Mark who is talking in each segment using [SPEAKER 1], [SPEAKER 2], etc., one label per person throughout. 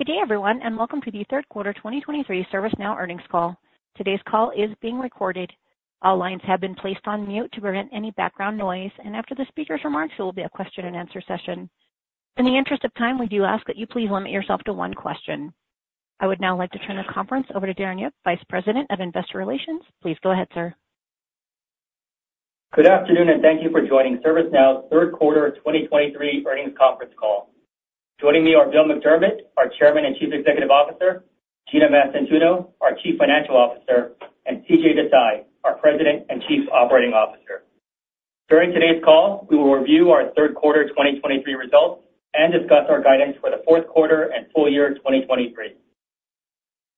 [SPEAKER 1] Good day, everyone, and welcome to the third quarter 2023 ServiceNow earnings call. Today's call is being recorded. All lines have been placed on mute to prevent any background noise, and after the speaker's remarks, there will be a question and answer session. In the interest of time, we do ask that you please limit yourself to one question. I would now like to turn the conference over to Darren Yip, Vice President of Investor Relations. Please go ahead, sir.
[SPEAKER 2] Good afternoon, and thank you for joining ServiceNow's third quarter of 2023 earnings conference call. Joining me are Bill McDermott, our Chairman and Chief Executive Officer, Gina Mastantuono, our Chief Financial Officer, and CJ Desai, our President and Chief Operating Officer. During today's call, we will review our third quarter 2023 results and discuss our guidance for the fourth quarter and full year 2023.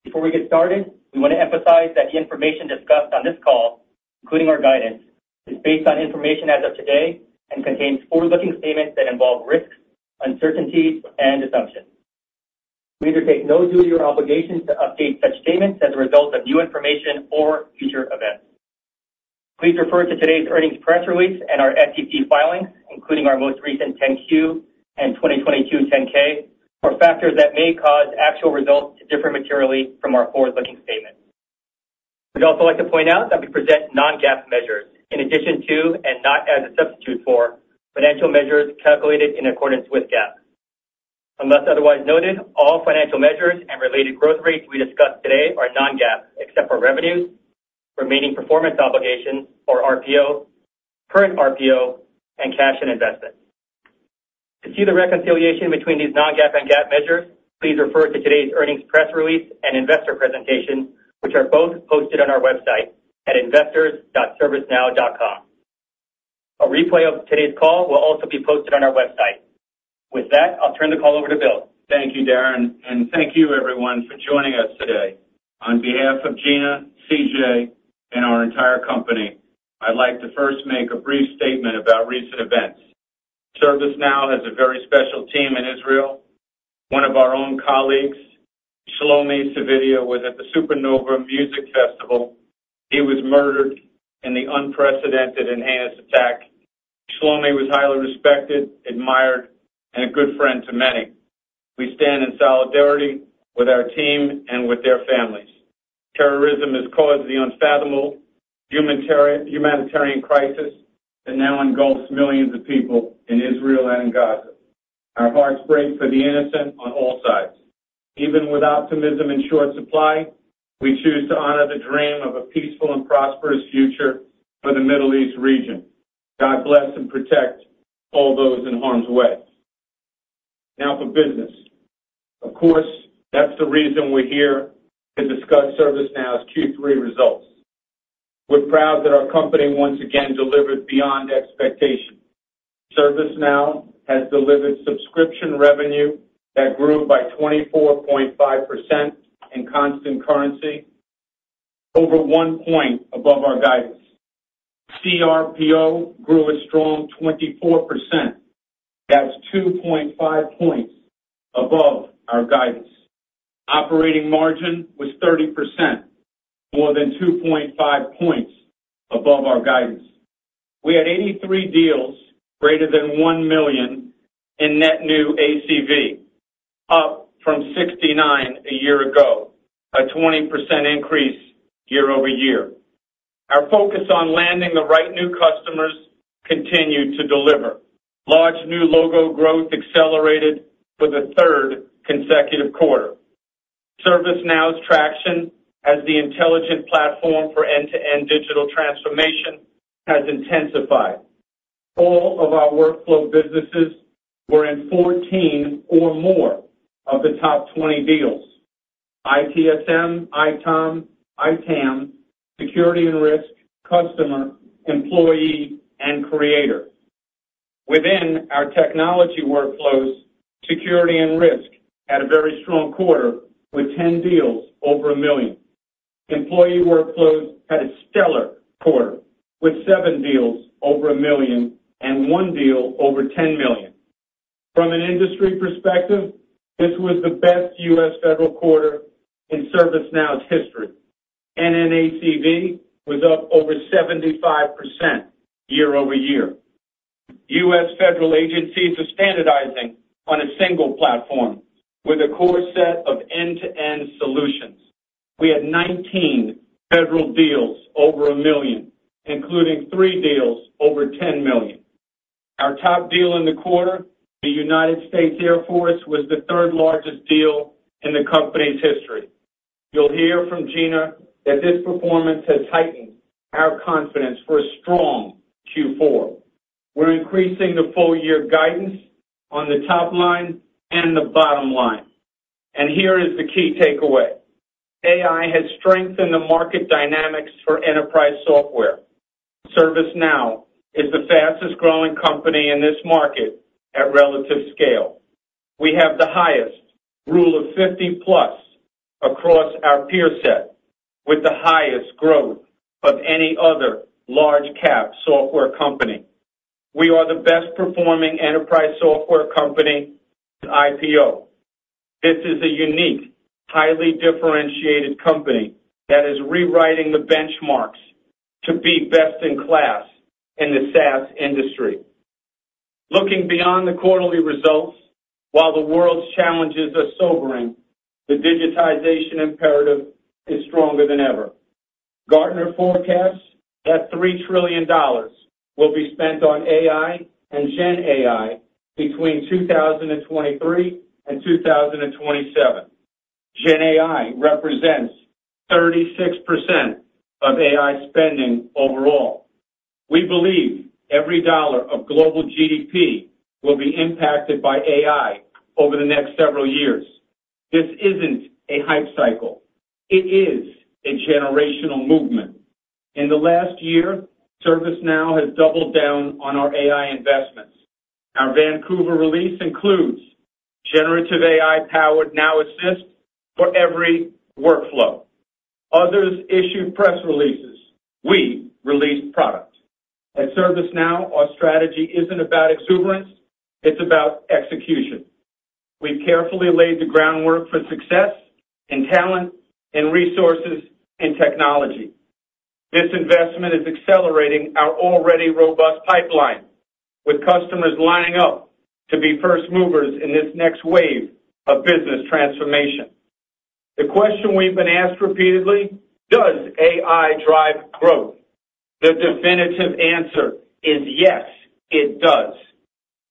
[SPEAKER 2] Before we get started, we want to emphasize that the information discussed on this call, including our guidance, is based on information as of today and contains forward-looking statements that involve risks, uncertainties and assumptions. We undertake no duty or obligation to update such statements as a result of new information or future events. Please refer to today's earnings press release and our SEC filings, including our most recent 10-Q and 2022 10-K, for factors that may cause actual results to differ materially from our forward-looking statements. We'd also like to point out that we present non-GAAP measures in addition to, and not as a substitute for, financial measures calculated in accordance with GAAP. Unless otherwise noted, all financial measures and related growth rates we discuss today are non-GAAP, except for revenues, remaining performance obligations or RPO, current RPO, and cash and investments. To see the reconciliation between these non-GAAP and GAAP measures, please refer to today's earnings press release and investor presentation, which are both posted on our website at investors.servicenow.com. A replay of today's call will also be posted on our website. With that, I'll turn the call over to Bill.
[SPEAKER 3] Thank you, Darren, and thank you everyone for joining us today. On behalf of Gina, CJ, and our entire company, I'd like to first make a brief statement about recent events. ServiceNow has a very special team in Israel. One of our own colleagues, Shlomi Sividia, was at the Supernova Music Festival. He was murdered in the unprecedented heinous attack. Shlomi was highly respected, admired, and a good friend to many. We stand in solidarity with our team and with their families. Terrorism has caused the unfathomable humanitarian crisis that now engulfs millions of people in Israel and in Gaza. Our hearts break for the innocent on all sides. Even with optimism in short supply, we choose to honor the dream of a peaceful and prosperous future for the Middle East region. God bless and protect all those in harm's way. Now for business. Of course, that's the reason we're here, to discuss ServiceNow's Q3 results. We're proud that our company once again delivered beyond expectations. ServiceNow has delivered subscription revenue that grew by 24.5% in constant currency, over 1 point above our guidance. CRPO grew a strong 24%. That's 2.5 points above our guidance. Operating margin was 30%, more than 2.5 points above our guidance. We had 83 deals greater than $1 million in net new ACV, up from 69 a year ago, a 20% increase year-over-year. Our focus on landing the right new customers continued to deliver. Large new logo growth accelerated for the third consecutive quarter. ServiceNow's traction as the intelligent platform for end-to-end digital transformation has intensified. All of our workflow businesses were in 14 or more of the top 20 deals. ITSM, ITOM, ITAM, Security and Risk, Customer, Employee, and Creator. Within our technology workflows, Security and Risk had a very strong quarter, with 10 deals over $1 million. Employee workflows had a stellar quarter, with 7 deals over $1 million and 1 deal over $10 million. From an industry perspective, this was the best U.S. federal quarter in ServiceNow's history. NNACV was up over 75% year-over-year. U.S. federal agencies are standardizing on a single platform with a core set of end-to-end solutions. We had 19 federal deals over $1 million, including 3 deals over $10 million. Our top deal in the quarter, the United States Air Force, was the third-largest deal in the company's history. You'll hear from Gina that this performance has heightened our confidence for a strong Q4. We're increasing the full year guidance on the top line and the bottom line. Here is the key takeaway: AI has strengthened the market dynamics for enterprise software. ServiceNow is the fastest growing company in this market at relative scale. We have the highest rule of fifty plus across our peer set, with the highest growth of any other large cap software company. We are the best performing enterprise software company in IPO. This is a unique, highly differentiated company that is rewriting the benchmarks... to be best in class in the SaaS industry. Looking beyond the quarterly results, while the world's challenges are sobering, the digitization imperative is stronger than ever. Gartner forecasts that $3 trillion will be spent on AI and GenAI between 2023 and 2027. GenAI represents 36% of AI spending overall. We believe every dollar of global GDP will be impacted by AI over the next several years. This isn't a hype cycle. It is a generational movement. In the last year, ServiceNow has doubled down on our AI investments. Our Vancouver release includes generative AI-powered Now Assist for every workflow. Others issued press releases. We released product. At ServiceNow, our strategy isn't about exuberance. It's about execution. We've carefully laid the groundwork for success in talent, in resources, in technology. This investment is accelerating our already robust pipeline, with customers lining up to be first movers in this next wave of business transformation. The question we've been asked repeatedly: Does AI drive growth? The definitive answer is yes, it does.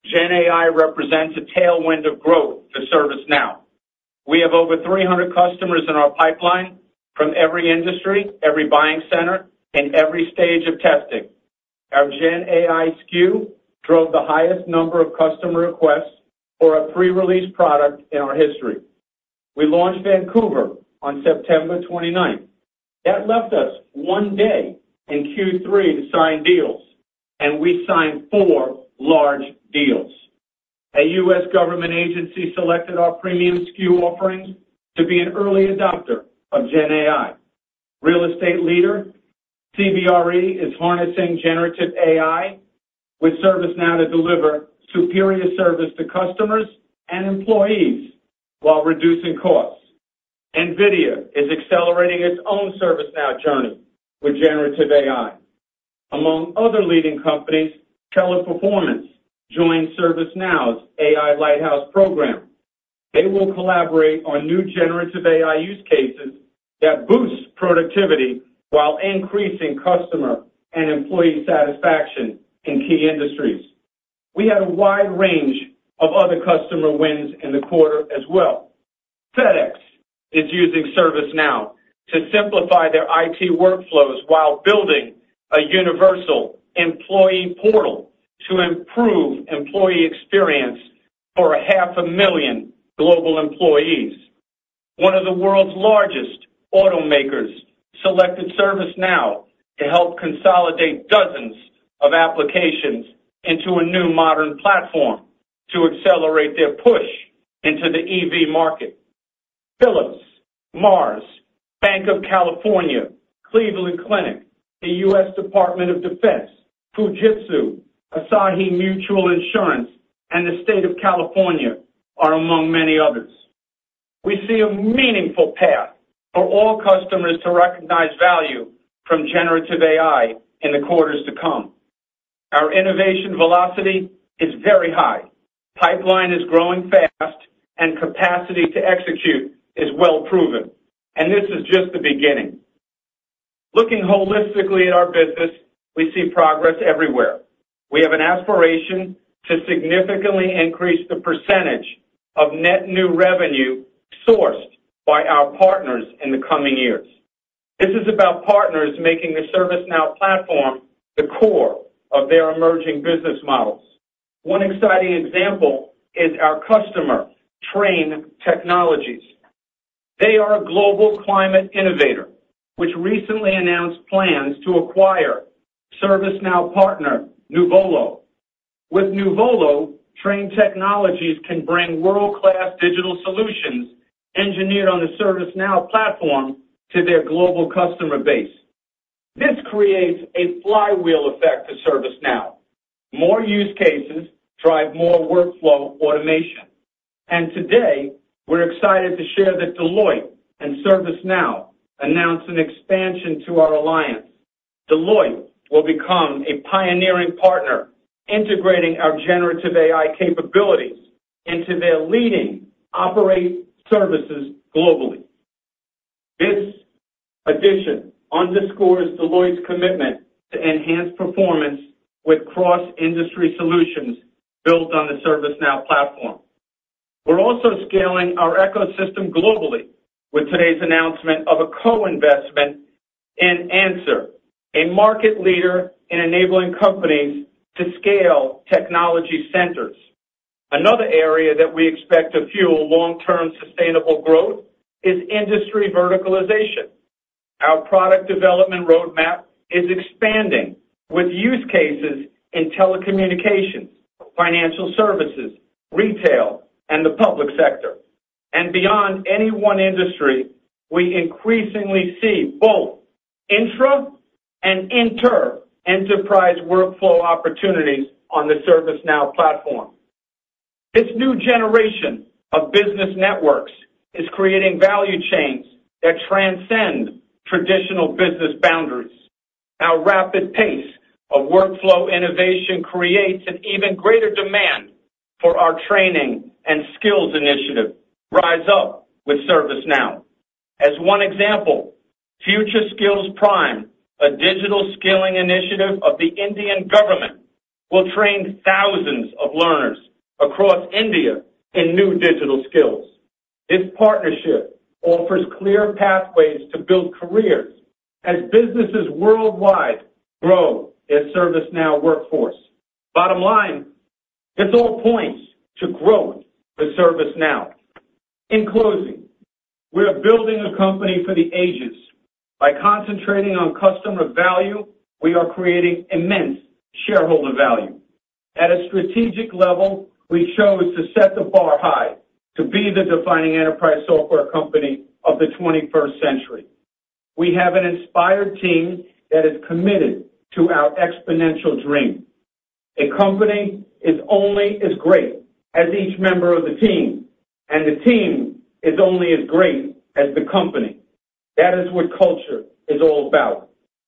[SPEAKER 3] GenAI represents a tailwind of growth for ServiceNow. We have over 300 customers in our pipeline from every industry, every buying center, and every stage of testing. Our GenAI SKU drove the highest number of customer requests for a pre-release product in our history. We launched Vancouver on September 29th. That left us 1 day in Q3 to sign deals, and we signed 4 large deals. A U.S. government agency selected our premium SKU offerings to be an early adopter of GenAI. Real estate leader, CBRE, is harnessing generative AI with ServiceNow to deliver superior service to customers and employees while reducing costs. NVIDIA is accelerating its own ServiceNow journey with generative AI. Among other leading companies, Keller Performance joined ServiceNow's AI Lighthouse program. They will collaborate on new generative AI use cases that boost productivity while increasing customer and employee satisfaction in key industries. We had a wide range of other customer wins in the quarter as well. FedEx is using ServiceNow to simplify their IT workflows while building a universal employee portal to improve employee experience for 500,000 global employees. One of the world's largest automakers selected ServiceNow to help consolidate dozens of applications into a new modern platform to accelerate their push into the EV market. Philips, Mars, Banc of California, Cleveland Clinic, the US Department of Defense, Fujitsu, Asahi Mutual Life Insurance, and the State of California are among many others. We see a meaningful path for all customers to recognize value from generative AI in the quarters to come. Our innovation velocity is very high. Pipeline is growing fast, and capacity to execute is well proven, and this is just the beginning. Looking holistically at our business, we see progress everywhere. We have an aspiration to significantly increase the percentage of net new revenue sourced by our partners in the coming years. This is about partners making the ServiceNow platform the core of their emerging business models. One exciting example is our customer, Trane Technologies. They are a global climate innovator, which recently announced plans to acquire ServiceNow partner, Nuvolo. With Nuvolo, Trane Technologies can bring world-class digital solutions engineered on the ServiceNow platform to their global customer base. This creates a flywheel effect to ServiceNow. More use cases drive more workflow automation. And today, we're excited to share that Deloitte and ServiceNow announced an expansion to our alliance. Deloitte will become a pioneering partner, integrating our generative AI capabilities into their leading operate services globally. This addition underscores Deloitte's commitment to enhance performance with cross-industry solutions built on the ServiceNow platform. We're also scaling our ecosystem globally with today's announcement of a co-investment in Answer, a market leader in enabling companies to scale technology centers. Another area that we expect to fuel long-term sustainable growth is industry verticalization. Our product development roadmap is expanding with use cases in telecommunications, financial services, retail, and the public sector. Beyond any one industry, we increasingly see both intra and inter enterprise workflow opportunities on the ServiceNow platform. This new generation of business networks is creating value chains that transcend traditional business boundaries. Our rapid pace of workflow innovation creates an even greater demand for our training and skills initiative, RiseUp with ServiceNow. As one example, Future Skills Prime, a digital skilling initiative of the Indian government, will train thousands of learners across India in new digital skills. This partnership offers clear pathways to build careers as businesses worldwide grow their ServiceNow workforce. Bottom line, this all points to growth for ServiceNow. In closing, we are building a company for the ages. By concentrating on customer value, we are creating immense shareholder value. At a strategic level, we chose to set the bar high, to be the defining enterprise software company of the 21st century. We have an inspired team that is committed to our exponential dream. A company is only as great as each member of the team, and the team is only as great as the company. That is what culture is all about.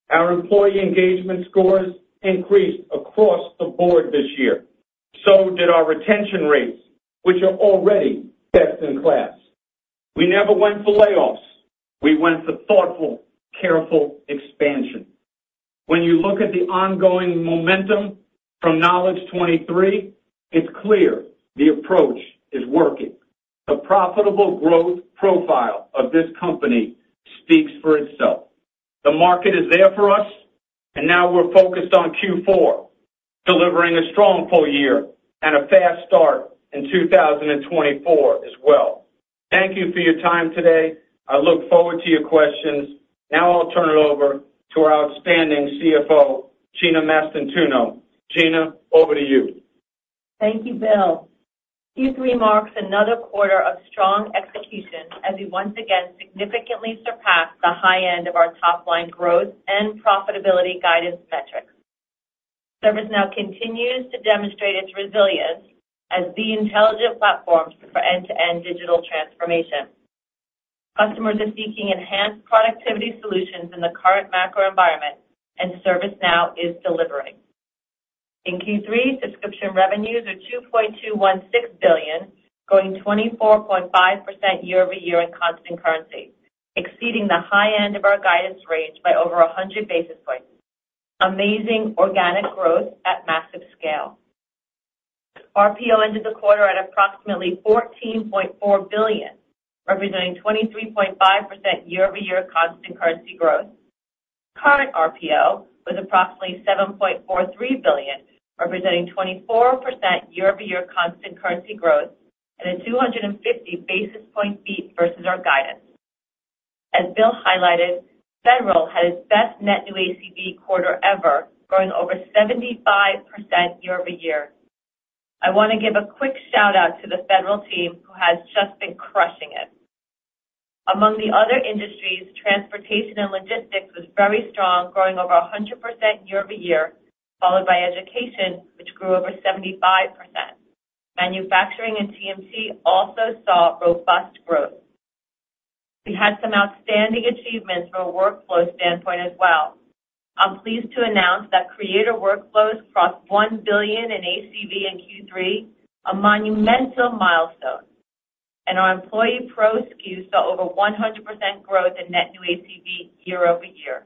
[SPEAKER 3] Our employee engagement scores increased across the board this year, so did our retention rates, which are already best-in-class. We never went for layoffs. We went for thoughtful, careful expansion. When you look at the ongoing momentum from Knowledge23, it's clear the approach is working. The profitable growth profile of this company speaks for itself. The market is there for us, and now we're focused on Q4, delivering a strong full year and a fast start in 2024 as well. Thank you for your time today. I look forward to your questions. Now I'll turn it over to our outstanding CFO, Gina Mastantuono. Gina, over to you.
[SPEAKER 4] Thank you, Bill. Q3 marks another quarter of strong execution, as we once again significantly surpassed the high end of our top-line growth and profitability guidance metrics. ServiceNow continues to demonstrate its resilience as the intelligent platform for end-to-end digital transformation. Customers are seeking enhanced productivity solutions in the current macro environment, and ServiceNow is delivering. In Q3, subscription revenues are $2.216 billion, growing 24.5% year-over-year in constant currency, exceeding the high end of our guidance range by over 100 basis points. Amazing organic growth at massive scale. RPO ended the quarter at approximately $14.4 billion, representing 23.5% year-over-year constant currency growth. Current RPO was approximately $7.43 billion, representing 24% year-over-year constant currency growth and a 250 basis point beat versus our guidance. As Bill highlighted, federal had its best net new ACV quarter ever, growing over 75% year-over-year. I want to give a quick shout-out to the federal team, who has just been crushing it. Among the other industries, transportation and logistics was very strong, growing over 100% year-over-year, followed by education, which grew over 75%. Manufacturing and TMT also saw robust growth. We had some outstanding achievements from a workflow standpoint as well. I'm pleased to announce that creator workflows crossed $1 billion in ACV in Q3, a monumental milestone, and our employee pro SKUs saw over 100% growth in net new ACV year-over-year.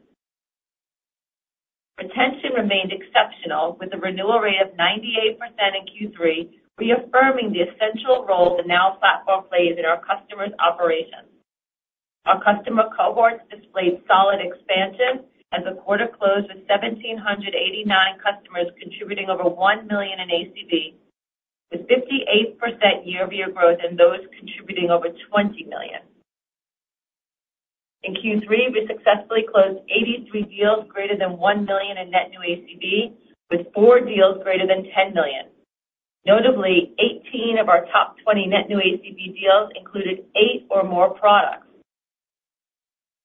[SPEAKER 4] Retention remained exceptional, with a renewal rate of 98% in Q3, reaffirming the essential role the Now Platform plays in our customers' operations. Our customer cohorts displayed solid expansion as the quarter closed with 1,789 customers, contributing over $1 million in ACV, with 58% year-over-year growth in those contributing over $20 million. In Q3, we successfully closed 83 deals greater than $1 million in net new ACV, with 4 deals greater than $10 million. Notably, 18 of our top 20 net new ACV deals included 8 or more products.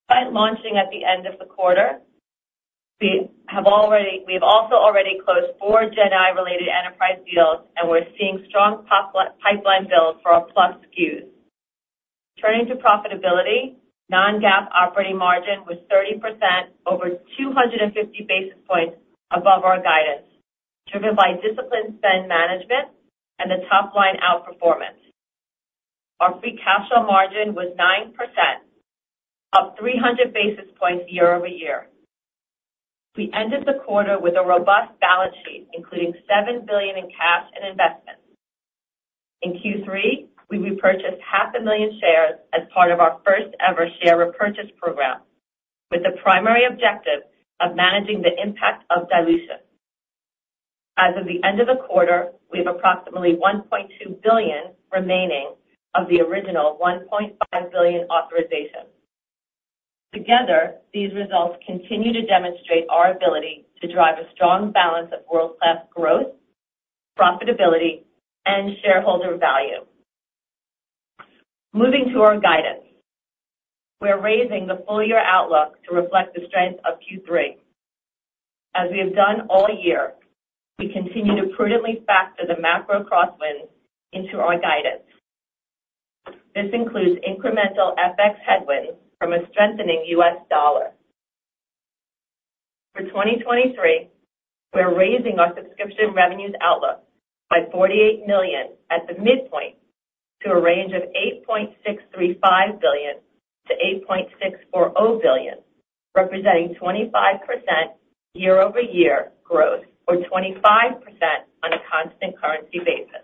[SPEAKER 4] By launching at the end of the quarter, we've also already closed 4 GenAI-related enterprise deals, and we're seeing strong pipeline build for our plus SKUs. Turning to profitability, non-GAAP operating margin was 30%, over 250 basis points above our guidance, driven by disciplined spend management and the top-line outperformance. Our free cash flow margin was 9%, up 300 basis points year-over-year. We ended the quarter with a robust balance sheet, including $7 billion in cash and investments. In Q3, we repurchased 500,000 shares as part of our first-ever share repurchase program, with the primary objective of managing the impact of dilution. As of the end of the quarter, we have approximately $1.2 billion remaining of the original $1.5 billion authorization. Together, these results continue to demonstrate our ability to drive a strong balance of world-class growth, profitability, and shareholder value.... Moving to our guidance. We're raising the full year outlook to reflect the strength of Q3. As we have done all year, we continue to prudently factor the macro crosswinds into our guidance. This includes incremental FX headwinds from a strengthening U.S. dollar. For 2023, we're raising our subscription revenues outlook by $48 million at the midpoint to a range of $8.635 billion-$8.64 billion, representing 25% year-over-year growth, or 25% on a constant currency basis.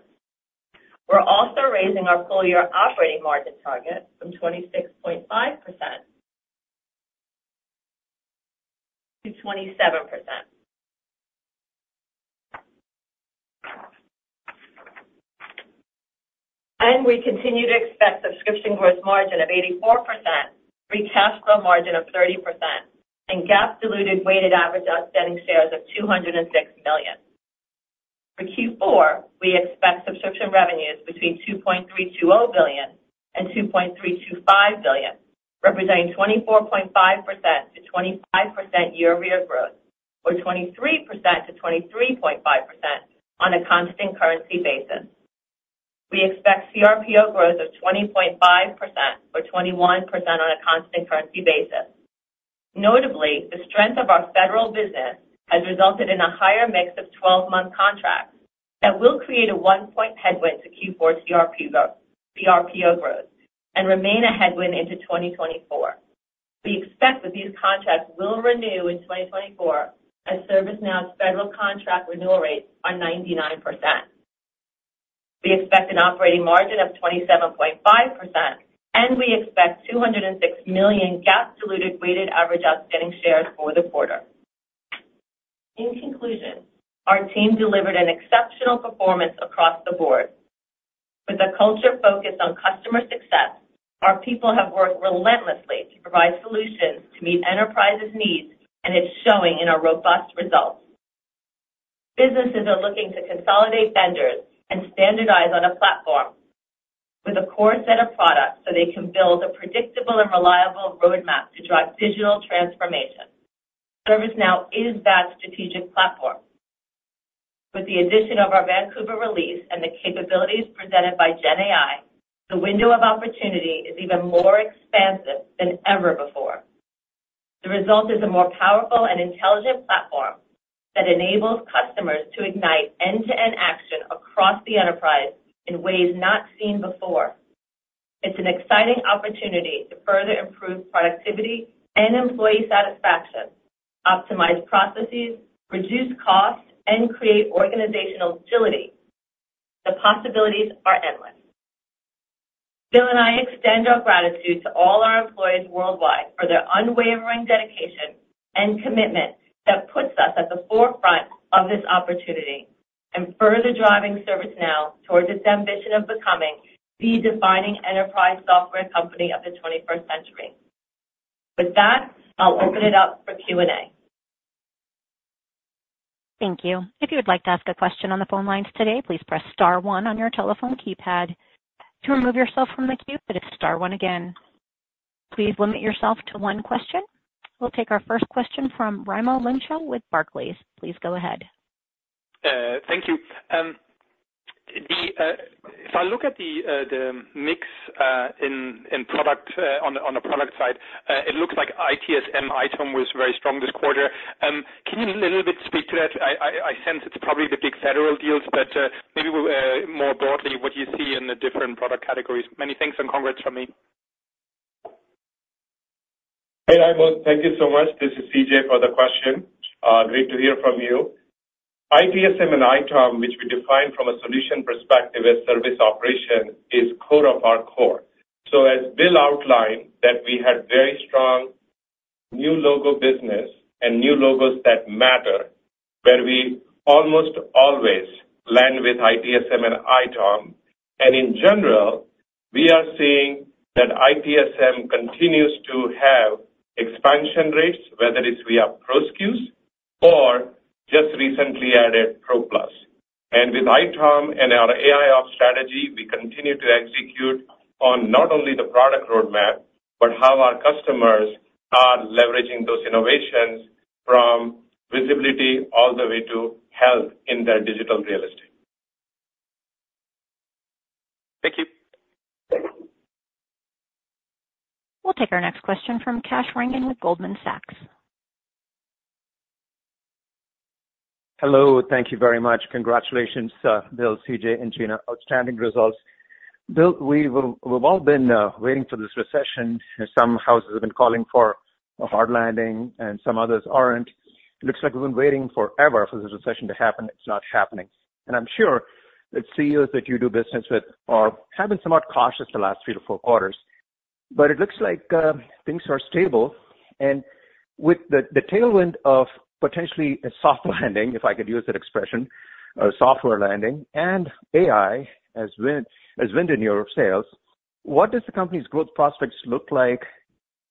[SPEAKER 4] We're also raising our full year operating margin target from 26.5% to 27%. We continue to expect subscription gross margin of 84%, free cash flow margin of 30%, and GAAP diluted weighted average outstanding shares of 206 million. For Q4, we expect subscription revenues between $2.32 billion and $2.325 billion, representing 24.5%-25% year-over-year growth, or 23%-23.5% on a constant currency basis. We expect CRPO growth of 20.5%, or 21% on a constant currency basis. Notably, the strength of our federal business has resulted in a higher mix of 12-month contracts that will create a 1-point headwind to Q4 CRPO growth, CRPO growth, and remain a headwind into 2024. We expect that these contracts will renew in 2024, as ServiceNow's federal contract renewal rates are 99%. We expect an operating margin of 27.5%, and we expect 206 million GAAP diluted weighted average outstanding shares for the quarter. In conclusion, our team delivered an exceptional performance across the board. With a culture focused on customer success, our people have worked relentlessly to provide solutions to meet enterprises' needs, and it's showing in our robust results. Businesses are looking to consolidate vendors and standardize on a platform with a core set of products, so they can build a predictable and reliable roadmap to drive digital transformation. ServiceNow is that strategic platform. With the addition of our Vancouver release and the capabilities presented by GenAI, the window of opportunity is even more expansive than ever before. The result is a more powerful and intelligent platform that enables customers to ignite end-to-end action across the enterprise in ways not seen before. It's an exciting opportunity to further improve productivity and employee satisfaction, optimize processes, reduce costs, and create organizational agility. The possibilities are endless. Bill and I extend our gratitude to all our employees worldwide for their unwavering dedication and commitment that puts us at the forefront of this opportunity, and further driving ServiceNow towards this ambition of becoming the defining enterprise software company of the twenty-first century. With that, I'll open it up for Q&A.
[SPEAKER 1] Thank you. If you would like to ask a question on the phone lines today, please press star one on your telephone keypad. To remove yourself from the queue, press star one again. Please limit yourself to one question. We'll take our first question from Raimo Lenschow with Barclays. Please go ahead.
[SPEAKER 5] Thank you. If I look at the mix in product on the product side, it looks like ITSM item was very strong this quarter. Can you a little bit speak to that? I sense it's probably the big federal deals, but maybe more broadly, what do you see in the different product categories? Many thanks, and congrats from me.
[SPEAKER 6] Hey, Raimo, thank you so much. This is CJ for the question. Great to hear from you. ITSM and ITOM, which we define from a solution perspective as service operation, is core of our core. So as Bill outlined, that we had very strong new logo business and new logos that matter, where we almost always land with ITSM and ITOM. And in general, we are seeing that ITSM continues to have expansion rates, whether it's via Pro SKUs or just recently added Pro Plus. And with ITOM and our AIOps strategy, we continue to execute on not only the product roadmap, but how our customers are leveraging those innovations from visibility all the way to health in their digital real estate.
[SPEAKER 5] Thank you.
[SPEAKER 6] Thank you.
[SPEAKER 1] We'll take our next question from Kash Rangan with Goldman Sachs.
[SPEAKER 7] Hello, thank you very much. Congratulations, Bill, CJ, and Gina. Outstanding results. Bill, we've, we've all been waiting for this recession. Some houses have been calling for a hard landing and some others aren't. It looks like we've been waiting forever for this recession to happen. It's not happening. And I'm sure the CEOs that you do business with are having somewhat cautious the last 3 to 4 quarters, but it looks like things are stable. And with the tailwind of potentially a soft landing, if I could use that expression, a software landing, and AI as wind, as wind in your sails, what does the company's growth prospects look like?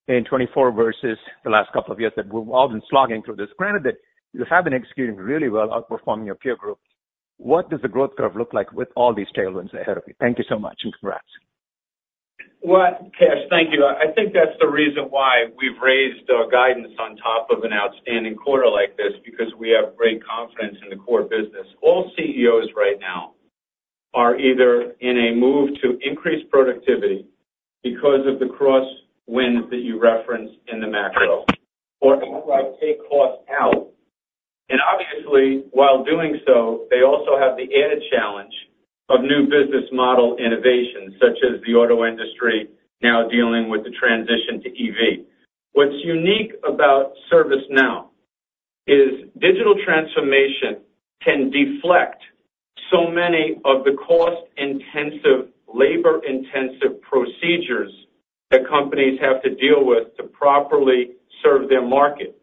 [SPEAKER 7] In 2024 versus the last couple of years that we've all been slogging through this, granted that you have been executing really well, outperforming your peer group. What does the growth curve look like with all these tailwinds ahead of you? Thank you so much, and congrats.
[SPEAKER 3] Well, Kash, thank you. I think that's the reason why we've raised our guidance on top of an outstanding quarter like this, because we have great confidence in the core business. All CEOs right now are either in a move to increase productivity because of the crosswind that you referenced in the macro, or outright take costs out. Obviously, while doing so, they also have the added challenge of new business model innovation, such as the auto industry now dealing with the transition to EV. What's unique about ServiceNow is digital transformation can deflect so many of the cost-intensive, labor-intensive procedures that companies have to deal with to properly serve their market.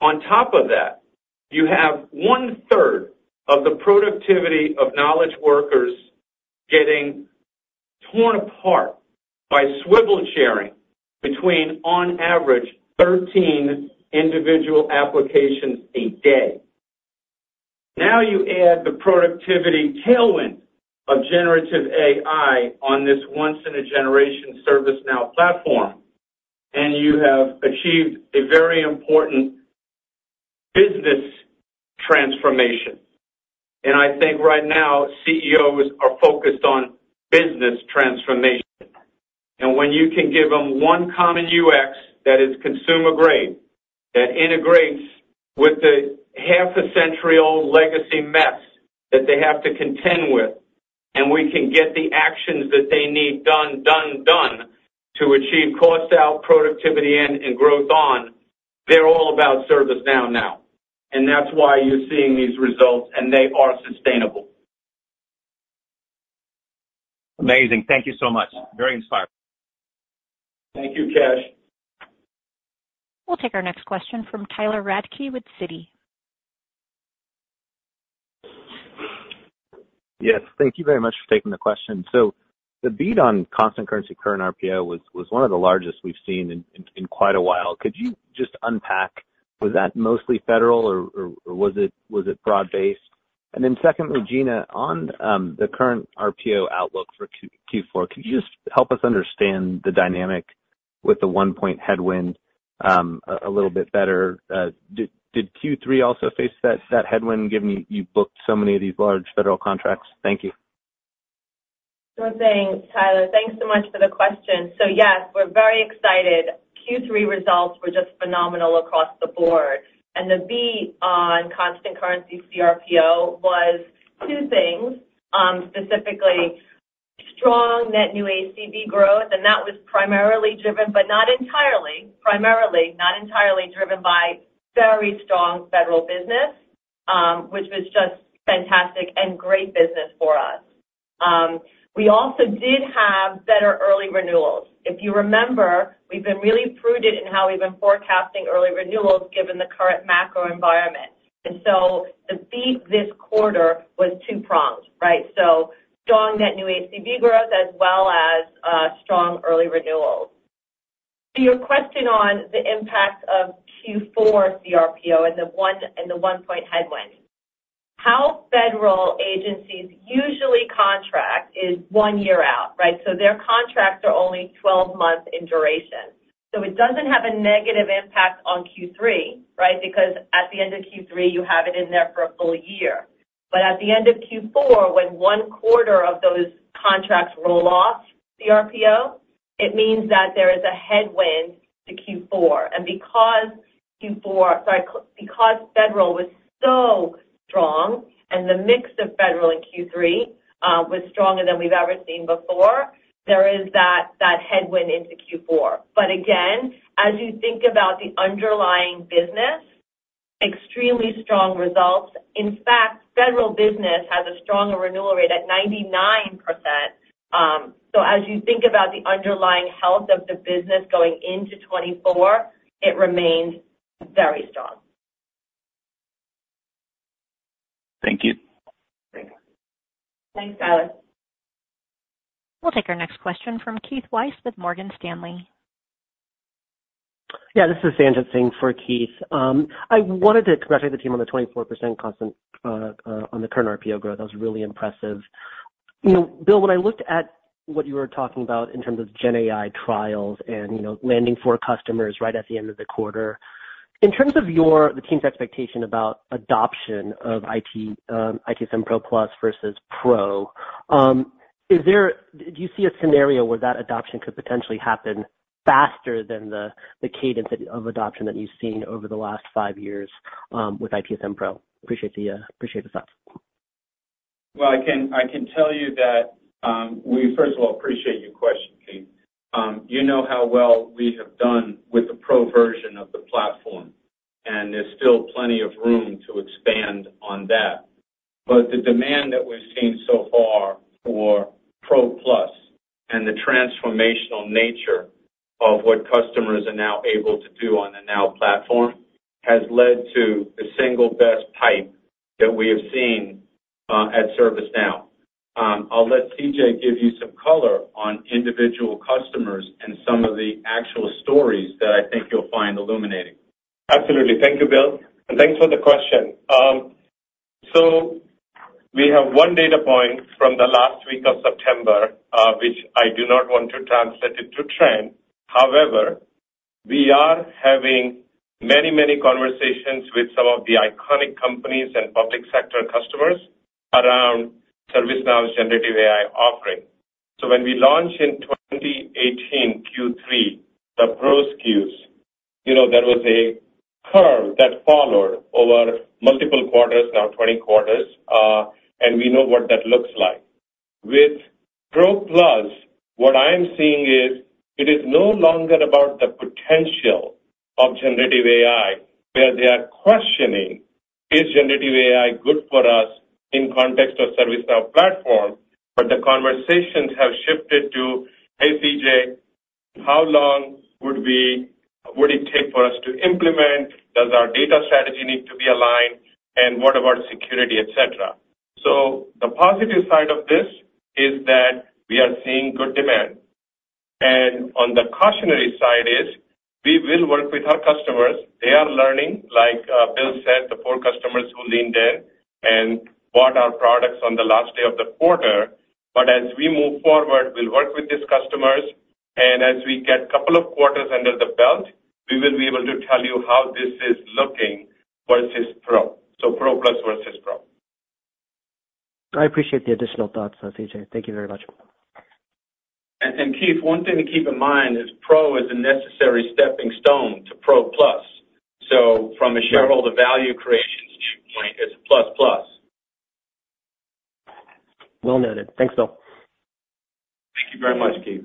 [SPEAKER 3] On top of that, you have one third of the productivity of knowledge workers getting torn apart by swivel sharing between, on average, 13 individual applications a day. Now you add the productivity tailwind of generative AI on this once-in-a-generation ServiceNow platform, and you have achieved a very important business transformation. And I think right now, CEOs are focused on business transformation. And when you can give them one common UX that is consumer grade, that integrates with the half-a-century-old legacy mess that they have to contend with, and we can get the actions that they need done, done, done, to achieve cost out, productivity in, and growth on, they're all about ServiceNow now, and that's why you're seeing these results, and they are sustainable.
[SPEAKER 7] Amazing. Thank you so much. Very inspiring.
[SPEAKER 3] Thank you, Kesh.
[SPEAKER 1] We'll take our next question from Tyler Radke with Citi.
[SPEAKER 8] Yes, thank you very much for taking the question. So the beat on constant currency current RPO was one of the largest we've seen in quite a while. Could you just unpack, was that mostly federal or was it broad-based? And then secondly, Gina, on the current RPO outlook for Q4, could you just help us understand the dynamic with the 1-point headwind a little bit better? Did Q3 also face that headwind, given you booked so many of these large federal contracts? Thank you.
[SPEAKER 4] Sure thing, Tyler, thanks so much for the question. So yes, we're very excited. Q3 results were just phenomenal across the board, and the beat on constant currency CRPO was two things, specifically, strong net new ACV growth, and that was primarily driven, but not entirely, primarily, not entirely driven by very strong federal business, which was just fantastic and great business for us. We also did have better early renewals. If you remember, we've been really prudent in how we've been forecasting early renewals given the current macro environment. And so the beat this quarter was two-pronged, right? So strong net new ACV growth, as well as, strong early renewals. To your question on the impact of Q4 CRPO and the one- and the one-point headwind, how federal agencies usually contract is one year out, right? So their contracts are only 12 months in duration. So it doesn't have a negative impact on Q3, right? Because at the end of Q3, you have it in there for a full year. But at the end of Q4, when one quarter of those contracts roll off CRPO, it means that there is a headwind to Q4. And because Q4, sorry, because federal was so strong and the mix of federal in Q3 was stronger than we've ever seen before, there is that, that headwind into Q4. But again, as you think about the underlying business, extremely strong results. In fact, federal business has a stronger renewal rate at 99%. So as you think about the underlying health of the business going into 2024, it remains very strong.
[SPEAKER 8] Thank you.
[SPEAKER 4] Thanks, Tyler.
[SPEAKER 1] We'll take our next question from Keith Weiss with Morgan Stanley.
[SPEAKER 9] Yeah, this is Sanjit Singh for Keith. I wanted to congratulate the team on the 24% constant, on the current RPO growth. That was really impressive. You know, Bill, when I looked at what you were talking about in terms of GenAI trials and, you know, landing four customers right at the end of the quarter, in terms of your, the team's expectation about adoption of IT, ITSM Pro Plus versus Pro, is there, do you see a scenario where that adoption could potentially happen faster than the cadence of adoption that you've seen over the last five years, with ITSM Pro? Appreciate the, appreciate the thoughts.
[SPEAKER 3] Well, I can tell you that we first of all appreciate your question, Keith. You know how well we have done with the Pro version of the platform, and there's still plenty of room to expand on that. But the demand that we've seen so far for Pro Plus and the transformational nature of what customers are now able to do on the Now Platform has led to the single best pipe that we have seen at ServiceNow. I'll let CJ give you some color on individual customers and some of the actual stories that I think you'll find illuminating.
[SPEAKER 6] Absolutely. Thank you, Bill, and thanks for the question. So we have one data point from the last week of September, which I do not want to translate it to trend. However, we are having many, many conversations with some of the iconic companies and public sector customers around ServiceNow's generative AI offering. So when we launched in 2018 Q3, the Pro SKUs, you know, there was a curve that followed over multiple quarters, now 20 quarters, and we know what that looks like. With Pro Plus, what I am seeing is it is no longer about the potential of generative AI, where they are questioning, "Is generative AI good for us in context of ServiceNow platform?" But the conversations have shifted to, "Hey, CJ, how long would we—would it take for us to implement? Does our data strategy need to be aligned, and what about security, et cetera?" So the positive side of this is that we are seeing good demand. And on the cautionary side is, we will work with our customers. They are learning, like, Bill said, the four customers who leaned in and bought our products on the last day of the quarter. But as we move forward, we'll work with these customers, and as we get couple of quarters under the belt, we will be able to tell you how this is looking versus Pro. So Pro Plus versus Pro.
[SPEAKER 9] I appreciate the additional thoughts, CJ. Thank you very much.
[SPEAKER 3] Keith, one thing to keep in mind is Pro is a necessary stepping stone to Pro Plus. From a shareholder value creation standpoint, it's a plus plus.
[SPEAKER 9] Well noted. Thanks, Bill.
[SPEAKER 3] Thank you very much, Keith.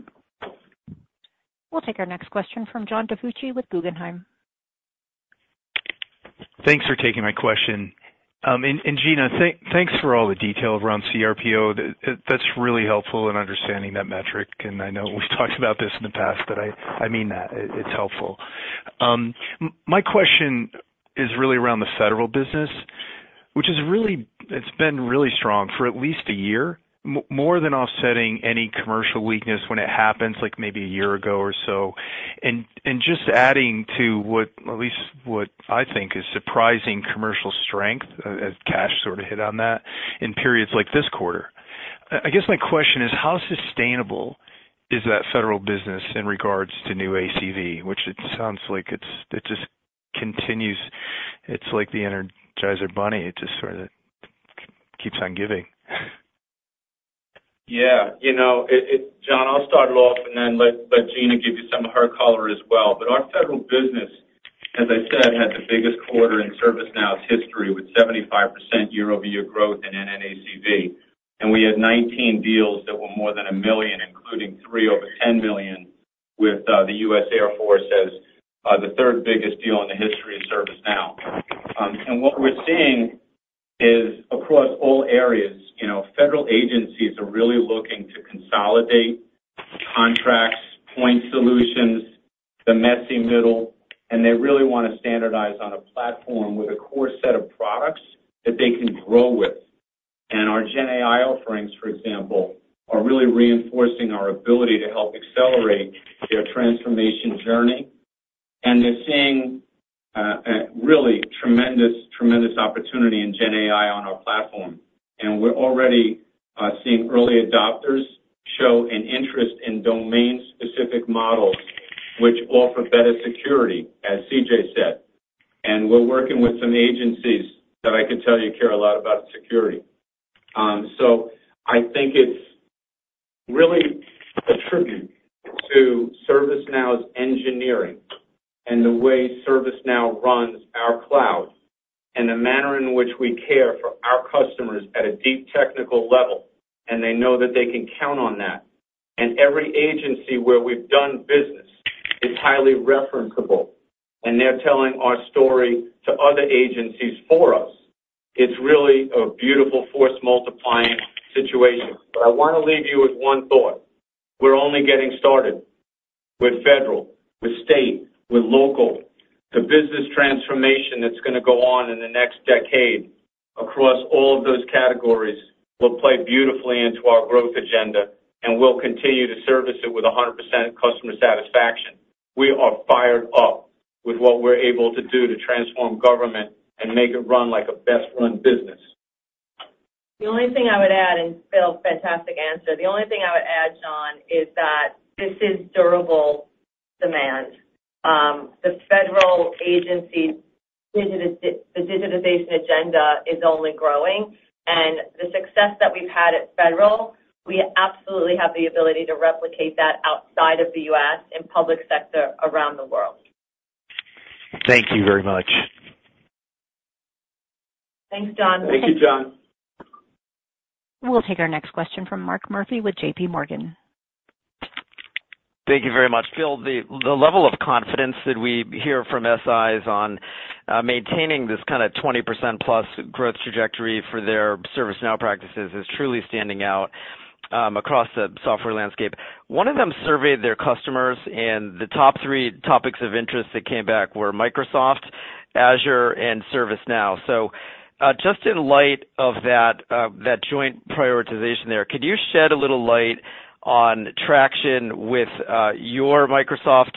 [SPEAKER 1] We'll take our next question from John DiFucci with Guggenheim.
[SPEAKER 10] Thanks for taking my question. And Gina, thanks for all the detail around CRPO. That's really helpful in understanding that metric, and I know we've talked about this in the past, but I mean that. It's helpful. My question is really around the federal business, which is really. It's been really strong for at least a year, more than offsetting any commercial weakness when it happens, like maybe a year ago or so. And just adding to what at least what I think is surprising commercial strength, as Kash sort of hit on that, in periods like this quarter. I guess my question is, how sustainable is that federal business in regards to new ACV, which it sounds like it's. It just continues... It's like the Energizer Bunny. It just sort of keeps on giving.
[SPEAKER 3] Yeah, you know, John, I'll start it off and then let Gina give you some of her color as well. But our federal business, as I said, had the biggest quarter in ServiceNow's history, with 75% year-over-year growth in NNACV. And we had 19 deals that were more than $1 million, including 3 over $10 million, with the U.S. Air Force as the third biggest deal in the history of ServiceNow. And what we're seeing is across all areas, you know, federal agencies are really looking to consolidate contracts, point solutions, the messy middle, and they really want to standardize on a platform with a core set of products that they can grow with. And our GenAI offerings, for example, are really reinforcing our ability to help accelerate their transformation journey. They're seeing a really tremendous, tremendous opportunity in GenAI on our platform. We're already seeing early adopters show an interest in domain-specific models which offer better security, as CJ said. We're working with some agencies that I can tell you care a lot about security. So I think it's really a tribute to ServiceNow's engineering and the way ServiceNow runs our cloud, and the manner in which we care for our customers at a deep technical level, and they know that they can count on that. Every agency where we've done business is highly referenceable, and they're telling our story to other agencies for us. It's really a beautiful force-multiplying situation. But I want to leave you with one thought: We're only getting started with federal, with state, with local. The business transformation that's gonna go on in the next decade across all of those categories will play beautifully into our growth agenda, and we'll continue to service it with 100% customer satisfaction. We are fired up with what we're able to do to transform government and make it run like a best-run business.
[SPEAKER 4] The only thing I would add, and Bill, fantastic answer. The only thing I would add, John, is that this is durable demand. The federal agency's digitization agenda is only growing, and the success that we've had at federal, we absolutely have the ability to replicate that outside of the U.S. and public sector around the world.
[SPEAKER 10] Thank you very much.
[SPEAKER 4] Thanks, John.
[SPEAKER 3] Thank you, John.
[SPEAKER 1] We'll take our next question from Mark Murphy with JP Morgan.
[SPEAKER 11] Thank you very much. Bill, the level of confidence that we hear from SIs on maintaining this kind of 20%+ growth trajectory for their ServiceNow practices is truly standing out.... across the software landscape. One of them surveyed their customers, and the top three topics of interest that came back were Microsoft, Azure, and ServiceNow. So, just in light of that, that joint prioritization there, could you shed a little light on traction with your Microsoft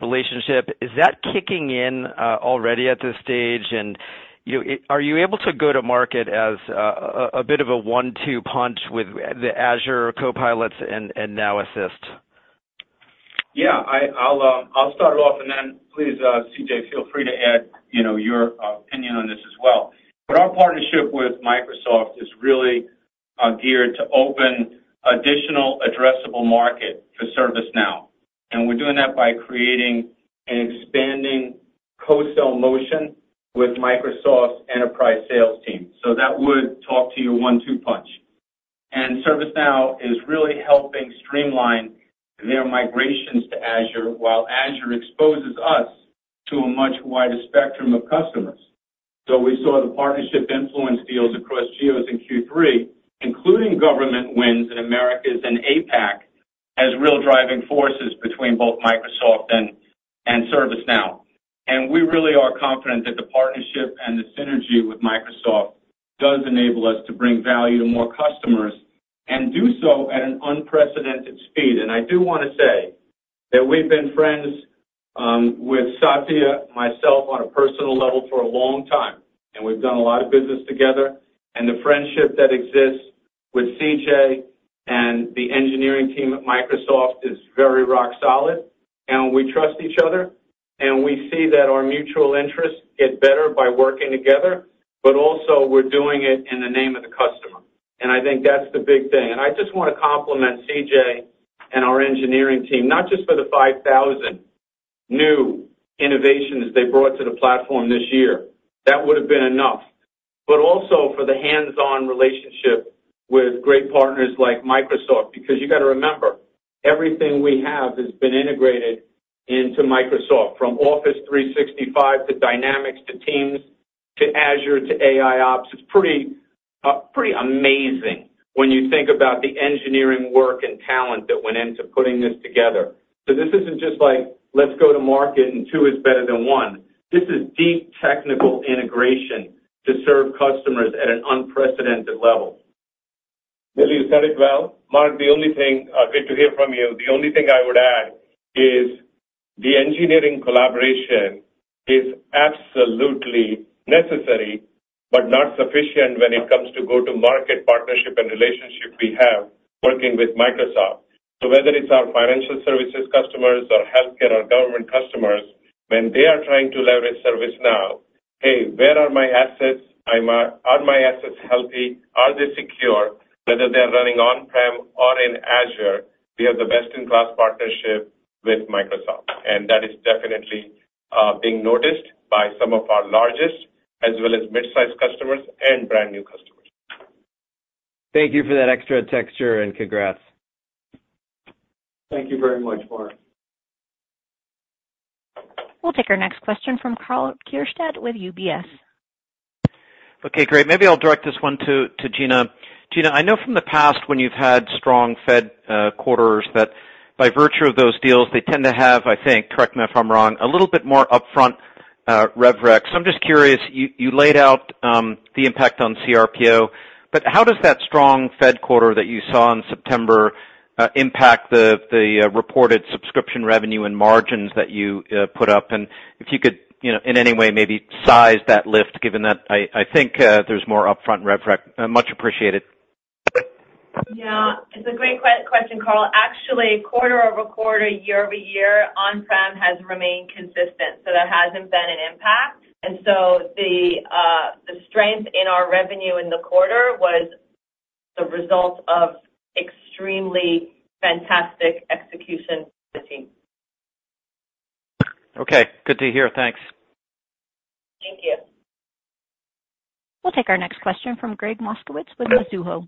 [SPEAKER 11] relationship? Is that kicking in already at this stage? And you, are you able to go to market as a bit of a one-two punch with the Azure copilots and NowAssist?
[SPEAKER 3] Yeah, I'll start off, and then please, CJ, feel free to add, you know, your opinion on this as well. But our partnership with Microsoft is really geared to open additional addressable market for ServiceNow, and we're doing that by creating an expanding co-sale motion with Microsoft's enterprise sales team. So that would talk to your one-two punch. And ServiceNow is really helping streamline their migrations to Azure, while Azure exposes us to a much wider spectrum of customers. So we saw the partnership influence deals across geos in Q3, including government wins in Americas and APAC, as real driving forces between both Microsoft and ServiceNow. And we really are confident that the partnership and the synergy with Microsoft does enable us to bring value to more customers and do so at an unprecedented speed. And I do wanna say that we've been friends, with Satya, myself, on a personal level for a long time, and we've done a lot of business together. And the friendship that exists with CJ and the engineering team at Microsoft is very rock solid, and we trust each other, and we see that our mutual interests get better by working together, but also we're doing it in the name of the customer, and I think that's the big thing. And I just want to compliment CJ and our engineering team, not just for the 5,000 new innovations they brought to the platform this year. That would have been enough, but also for the hands-on relationship with great partners like Microsoft, because you've got to remember, everything we have has been integrated into Microsoft, from Office 365 to Dynamics, to Teams, to Azure, to AIOps. It's pretty pretty amazing when you think about the engineering work and talent that went into putting this together. So this isn't just like, let's go to market, and two is better than one. This is deep technical integration to serve customers at an unprecedented level.
[SPEAKER 6] Bill, you said it well. Mark, the only thing... good to hear from you. The only thing I would add is the engineering collaboration is absolutely necessary, but not sufficient when it comes to go-to-market partnership and relationship we have working with Microsoft. So whether it's our financial services customers, or healthcare, or government customers, when they are trying to leverage ServiceNow, "Hey, where are my assets? I'm, are my assets healthy? Are they secure?" Whether they're running on-prem or in Azure, we have the best-in-class partnership with Microsoft, and that is definitely, being noticed by some of our largest, as well as mid-sized customers and brand-new customers.
[SPEAKER 11] Thank you for that extra texture, and congrats.
[SPEAKER 3] Thank you very much, Mark.
[SPEAKER 1] We'll take our next question from Karl Keirstead with UBS.
[SPEAKER 12] Okay, great. Maybe I'll direct this one to Gina. Gina, I know from the past when you've had strong FedEx quarters, that by virtue of those deals, they tend to have, I think, correct me if I'm wrong, a little bit more upfront rev rec. So I'm just curious, you laid out the impact on CRPO, but how does that strong FedEx quarter that you saw in September impact the reported subscription revenue and margins that you put up? And if you could, you know, in any way, maybe size that lift, given that I think there's more upfront rev rec. Much appreciated.
[SPEAKER 4] Yeah, it's a great question, Karl. Actually, quarter-over-quarter, year-over-year, on-prem has remained consistent, so there hasn't been an impact. And so the strength in our revenue in the quarter was the result of extremely fantastic execution by the team.
[SPEAKER 12] Okay, good to hear. Thanks.
[SPEAKER 4] Thank you.
[SPEAKER 1] We'll take our next question from Greg Moskowitz with Mizuho.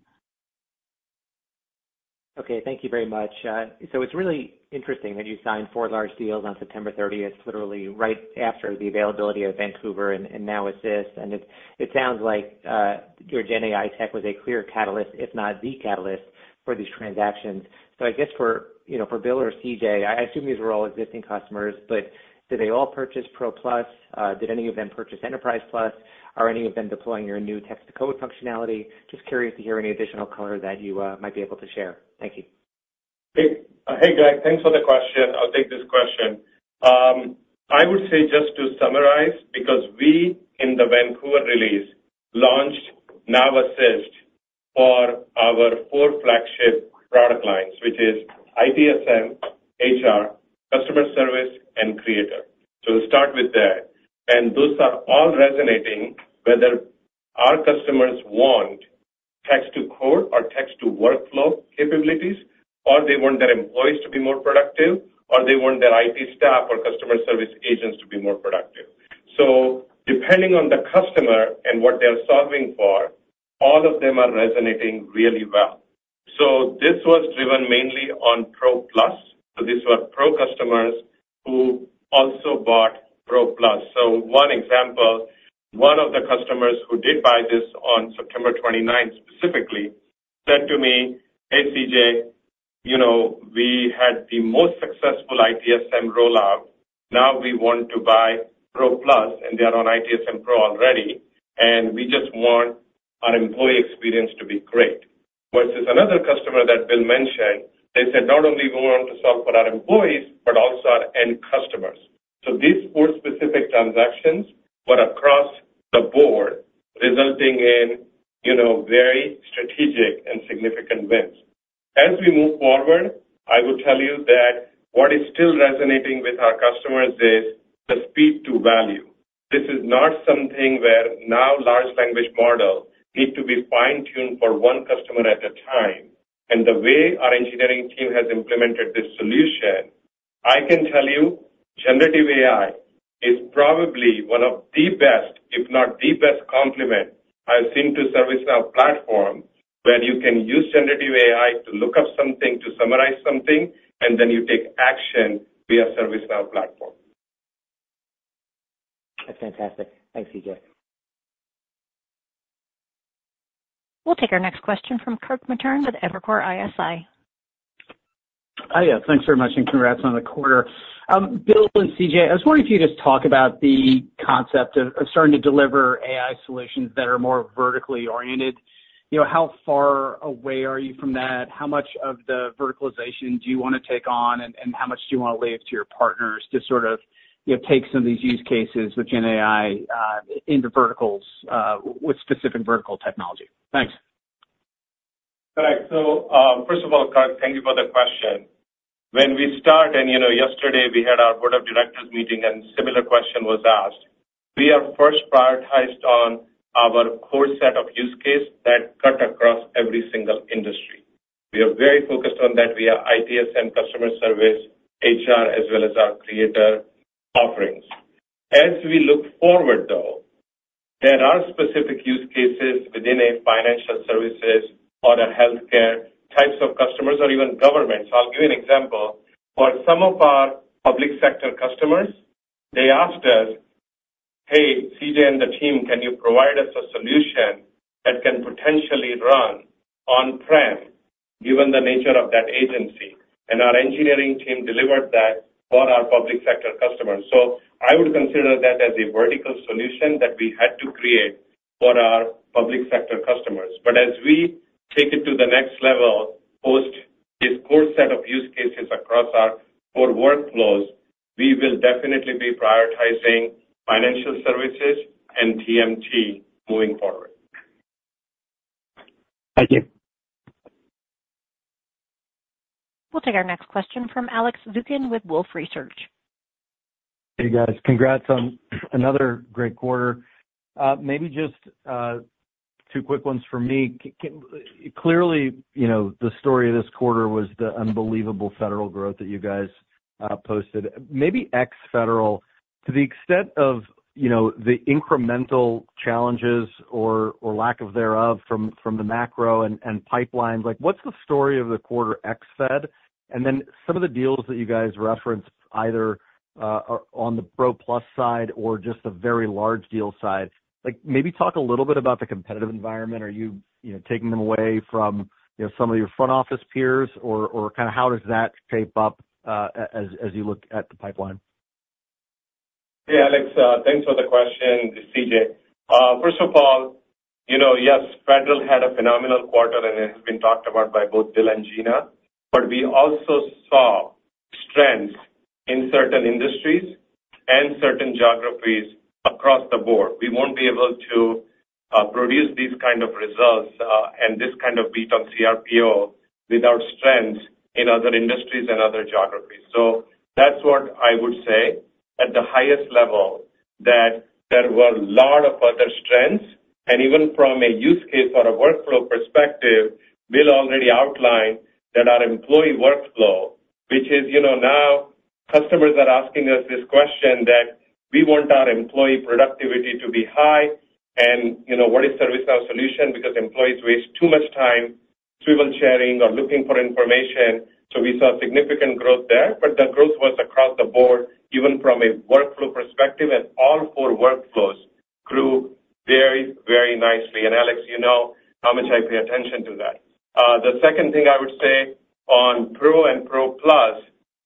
[SPEAKER 13] Okay, thank you very much. So it's really interesting that you signed four large deals on September thirtieth, literally right after the availability of Vancouver and Now Assist. And it sounds like your GenAI tech was a clear catalyst, if not the catalyst, for these transactions. So I guess for, you know, for Bill or CJ, I assume these were all existing customers, but did they all purchase Pro Plus? Did any of them purchase Enterprise Plus? Are any of them deploying your new text-to-code functionality? Just curious to hear any additional color that you might be able to share. Thank you.
[SPEAKER 6] Hey, hey, Greg. Thanks for the question. I'll take this question. I would say, just to summarize, because we, in the Vancouver release, launched NowAssist for our four flagship product lines, which is ITSM, HR, customer service, and Creator. So we'll start with that. Those are all resonating, whether our customers want text to code or text to workflow capabilities, or they want their employees to be more productive, or they want their IT staff or customer service agents to be more productive. So depending on the customer and what they're solving for, all of them are resonating really well. So this was driven mainly on Pro Plus. So these were Pro customers who also bought Pro Plus. So one example, one of the customers who did buy this on September 29th, specifically, said to me, "Hey, CJ, you know, we had the most successful ITSM rollout. Now we want to buy Pro Plus," and they are on ITSM Pro already, "and we just want our employee experience to be great." Versus another customer that Bill mentioned, they said, "Not only we want to solve for our employees, but also our end customers." So these four specific transactions, but across the board, resulting in, you know, very strategic and significant wins. As we move forward, I will tell you that what is still resonating with our customers is the speed to value. This is not something where now large language model need to be fine-tuned for one customer at a time. The way our engineering team has implemented this solution, I can tell you, generative AI is probably one of the best, if not the best complement I've seen to ServiceNow platform, where you can use generative AI to look up something, to summarize something, and then you take action via ServiceNow platform.
[SPEAKER 13] That's fantastic. Thanks, CJ.
[SPEAKER 1] We'll take our next question from Kirk Materne with Evercore ISI.
[SPEAKER 14] Oh, yeah, thanks very much, and congrats on the quarter. Bill and CJ, I was wondering if you could just talk about the concept of starting to deliver AI solutions that are more vertically oriented. You know, how far away are you from that? How much of the verticalization do you wanna take on, and how much do you wanna leave to your partners to sort of, you know, take some of these use cases with GenAI into verticals with specific vertical technology? Thanks.
[SPEAKER 6] Correct. So, first of all, Kirk, thank you for the question. When we start, and, you know, yesterday we had our board of directors meeting, and similar question was asked. We are first prioritized on our core set of use case that cut across every single industry. We are very focused on that via ITSM customer service, HR, as well as our creator offerings. As we look forward, though, there are specific use cases within a financial services or a healthcare types of customers or even government. So I'll give you an example. For some of our public sector customers, they asked us, "Hey, CJ and the team, can you provide us a solution that can potentially run on-prem, given the nature of that agency?" And our engineering team delivered that for our public sector customers. So I would consider that as a vertical solution that we had to create for our public sector customers. But as we take it to the next level, post this core set of use cases across our four workflows, we will definitely be prioritizing financial services and TMT moving forward.
[SPEAKER 14] Thank you.
[SPEAKER 1] We'll take our next question from Alex Zukin with Wolfe Research.
[SPEAKER 15] Hey, guys. Congrats on another great quarter. Maybe just two quick ones for me. Clearly, you know, the story of this quarter was the unbelievable federal growth that you guys posted. Maybe ex federal, to the extent of, you know, the incremental challenges or lack of thereof from the macro and pipelines, like, what's the story of the quarter ex fed? And then some of the deals that you guys referenced, either on the Pro Plus side or just the very large deal side, like, maybe talk a little bit about the competitive environment. Are you, you know, taking them away from, you know, some of your front office peers, or kind of how does that shape up, as you look at the pipeline?
[SPEAKER 6] Hey, Alex, thanks for the question. This is CJ. First of all, you know, yes, federal had a phenomenal quarter, and it has been talked about by both Bill and Gina, but we also saw strengths in certain industries and certain geographies across the board. We won't be able to produce these kind of results and this kind of beat on CRPO without strength in other industries and other geographies. So that's what I would say at the highest level, that there were a lot of other strengths. And even from a use case or a workflow perspective, Bill already outlined that our employee workflow, which is, you know, now customers are asking us this question, that we want our employee productivity to be high and, you know, what is ServiceNow solution? Because employees waste too much time swivel chairing or looking for information. So we saw significant growth there, but the growth was across the board, even from a workflow perspective, and all four workflows grew very, very nicely. And Alex, you know how much I pay attention to that. The second thing I would say on Pro and Pro Plus,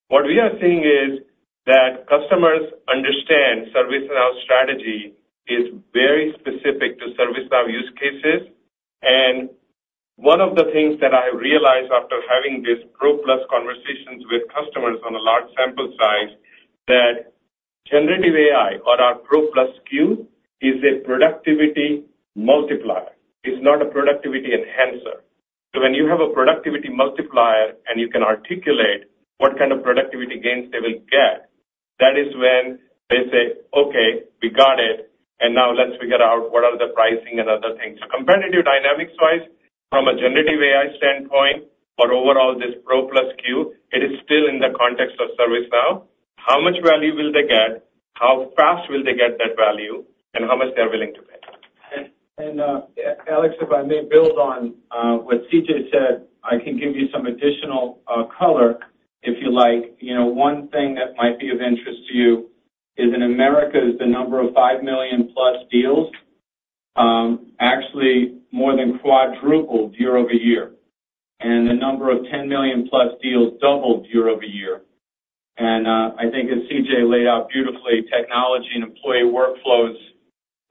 [SPEAKER 6] what we are seeing is that customers understand ServiceNow strategy is very specific to ServiceNow use cases. And one of the things that I realized after having this Pro Plus conversations with customers on a large sample size, that generative AI or our Pro Plus SKU is a productivity multiplier. It's not a productivity enhancer. So when you have a productivity multiplier and you can articulate what kind of productivity gains they will get, that is when they say, "Okay, we got it, and now let's figure out what are the pricing and other things." So competitive dynamics-wise, from a generative AI standpoint, but overall this Pro Plus SKU, it is still in the context of ServiceNow. How much value will they get? How fast will they get that value? And how much they're willing to pay?
[SPEAKER 3] And Alex, if I may build on what CJ said, I can give you some additional color if you like. You know, one thing that might be of interest to you is in America, the number of $5 million-plus deals actually more than quadrupled year-over-year, and the number of $10 million-plus deals doubled year-over-year. And I think as CJ laid out beautifully, technology and employee workflows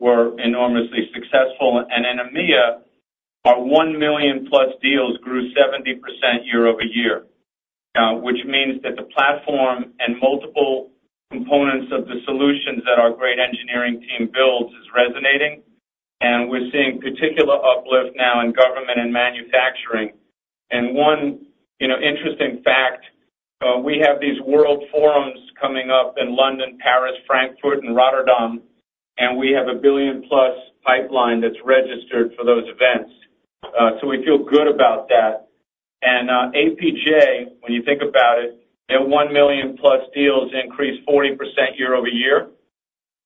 [SPEAKER 3] were enormously successful. And in EMEA, our $1 million-plus deals grew 70% year-over-year, which means that the platform and multiple components of the solutions that our great engineering team builds is resonating, and we're seeing particular uplift now in government and manufacturing. And one, you know, interesting fact, we have these world forums coming up in London, Paris, Frankfurt and Rotterdam, and we have a $1 billion-plus pipeline that's registered for those events. So we feel good about that. And APJ, when you think about it, their 1 million-plus deals increased 40% year-over-year.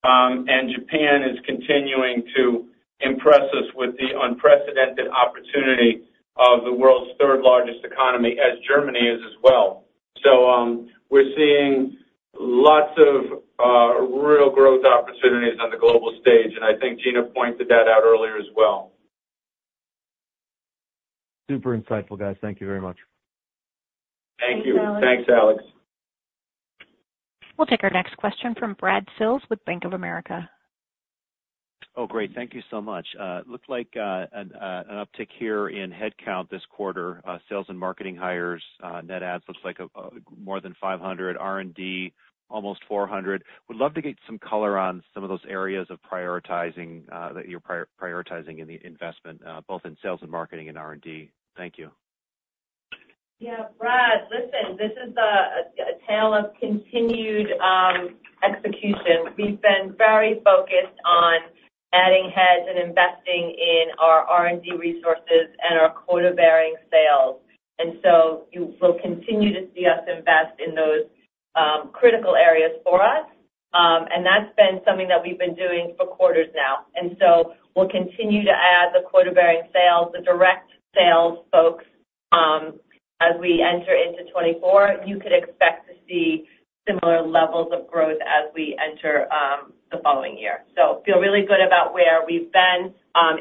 [SPEAKER 3] And Japan is continuing to impress us with the unprecedented opportunity of the world's third-largest economy, as Germany is as well. So we're seeing lots of real growth opportunities on the global stage, and I think Gina pointed that out earlier as well.
[SPEAKER 15] Super insightful, guys. Thank you very much.
[SPEAKER 3] Thank you.
[SPEAKER 4] Thanks, Alex.
[SPEAKER 3] Thanks, Alex.
[SPEAKER 1] We'll take our next question from Brad Sills with Bank of America.
[SPEAKER 16] Oh, great. Thank you so much. It looked like an uptick here in headcount this quarter. Sales and marketing hires, net adds, looks like more than 500, R&D, almost 400. Would love to get some color on some of those areas of prioritizing that you're prioritizing in the investment, both in sales and marketing and R&D. Thank you.
[SPEAKER 4] Yeah, Brad, listen, this is a tale of continued execution. We've been very focused on adding heads and investing in our R&D resources and our quota-bearing sales. And so you will continue to see us invest in those critical areas for us. And that's been something that we've been doing for quarters now, and so we'll continue to add the quota-bearing sales, the direct sales folks, as we enter into 2024. You could expect to see similar levels of growth as we enter the following year. So feel really good about where we've been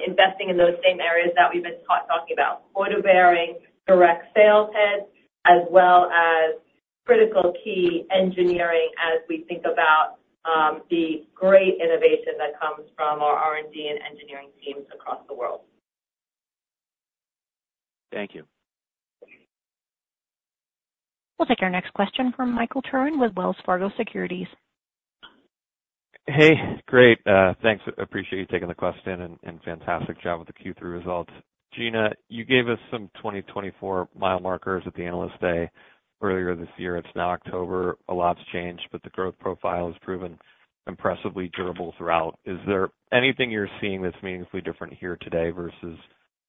[SPEAKER 4] investing in those same areas that we've been talking about, quota-bearing, direct sales heads, as well as critical key engineering as we think about the great innovation that comes from our R&D and engineering teams across the world.
[SPEAKER 16] Thank you.
[SPEAKER 1] We'll take our next question from Michael Turrin with Wells Fargo Securities.
[SPEAKER 17] Hey, great. Thanks. Appreciate you taking the question, and fantastic job with the Q3 results. Gina, you gave us some 2024 mile markers at the Analyst Day earlier this year. It's now October. A lot's changed, but the growth profile has proven impressively durable throughout. Is there anything you're seeing that's meaningfully different here today versus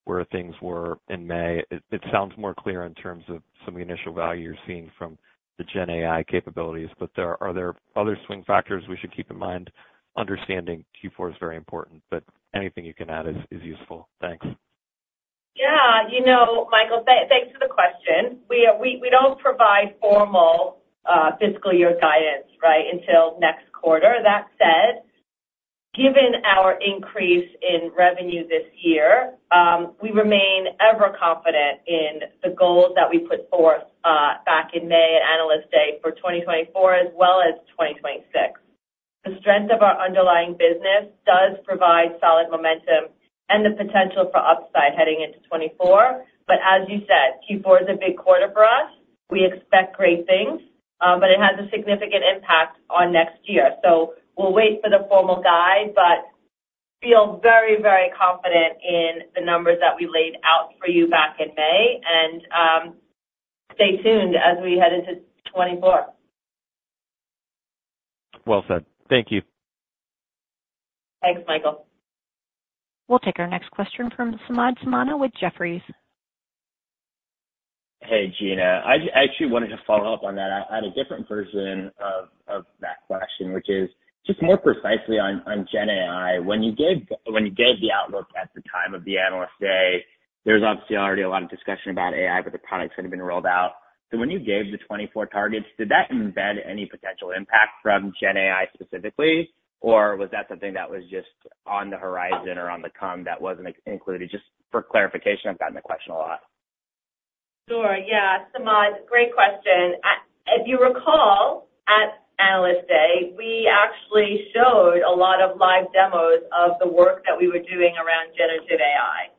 [SPEAKER 17] where things were in May? It sounds more clear in terms of some of the initial value you're seeing from the GenAI capabilities, but are there other swing factors we should keep in mind? Understanding Q4 is very important, but anything you can add is useful. Thanks.
[SPEAKER 4] Yeah. You know, Michael, thanks for the question. We don't provide formal fiscal year guidance, right, until next quarter. That said, given our increase in revenue this year, we remain ever confident in the goals that we put forth back in May at Analyst Day for 2024, as well as 2026. The strength of our underlying business does provide solid momentum and the potential for upside heading into 2024. But as you said, Q4 is a big quarter for us. We expect great things, but it has a significant impact on next year. So we'll wait for the formal guide, but feel very, very confident in the numbers that we laid out for you back in May. And stay tuned as we head into 2024.
[SPEAKER 17] Well said. Thank you.
[SPEAKER 4] Thanks, Michael.
[SPEAKER 1] We'll take our next question from Samad Samana with Jefferies.
[SPEAKER 18] Hey, Gina. I actually wanted to follow up on that. I had a different version of that question, which is just more precisely on GenAI. When you gave the outlook at the time of the Analyst Day, there's obviously already a lot of discussion about AI, but the products hadn't been rolled out. So when you gave the 2024 targets, did that embed any potential impact from GenAI specifically, or was that something that was just on the horizon or on the come that wasn't included? Just for clarification, I've gotten the question a lot.
[SPEAKER 4] Sure. Yeah, Samad, great question. If you recall, at Analyst Day, we actually showed a lot of live demos of the work that we were doing around generative AI.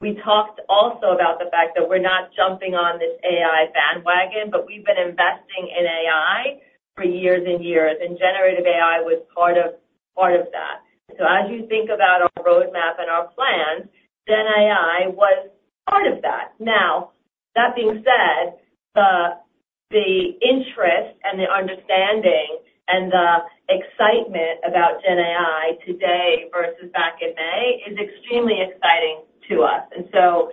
[SPEAKER 4] We talked also about the fact that we're not jumping on this AI bandwagon, but we've been investing in AI for years and years, and generative AI was part of that. So as you think about our roadmap and our plans, GenAI was part of that. Now, that being said, the interest and the understanding and the excitement about GenAI today versus back in May is extremely exciting to us. So,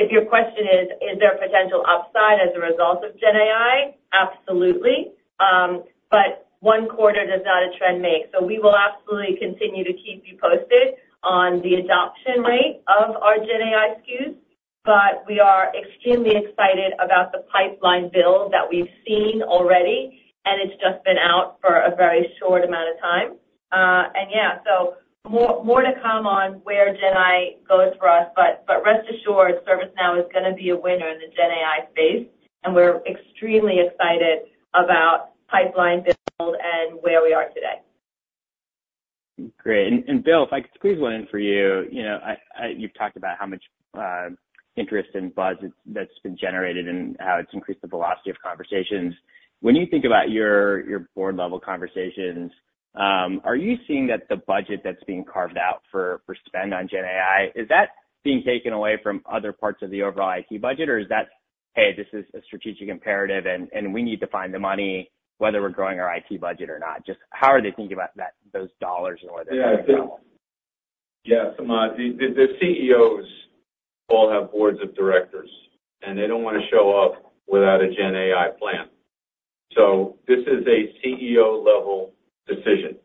[SPEAKER 4] if your question is, is there potential upside as a result of GenAI? Absolutely. But one quarter does not a trend make. So we will absolutely continue to keep you posted on the adoption rate of our GenAI SKUs, but we are extremely excited about the pipeline build that we've seen already, and it's just been out for a very short amount of time. And yeah, so more, more to come on where GenAI goes for us, but, but rest assured, ServiceNow is gonna be a winner in the GenAI space, and we're extremely excited about pipeline build and where we are today.
[SPEAKER 18] Great. And Bill, if I could squeeze one in for you. You know, you've talked about how much interest and buzz that's been generated and how it's increased the velocity of conversations. When you think about your board-level conversations, are you seeing that the budget that's being carved out for spend on GenAI is that being taken away from other parts of the overall IT budget, or is that, "Hey, this is a strategic imperative, and we need to find the money, whether we're growing our IT budget or not?" Just how are they thinking about that those dollars and where they're going?
[SPEAKER 3] Yeah, Samad, the CEOs all have boards of directors, and they don't wanna show up without a GenAI plan. So this is a CEO-level decision,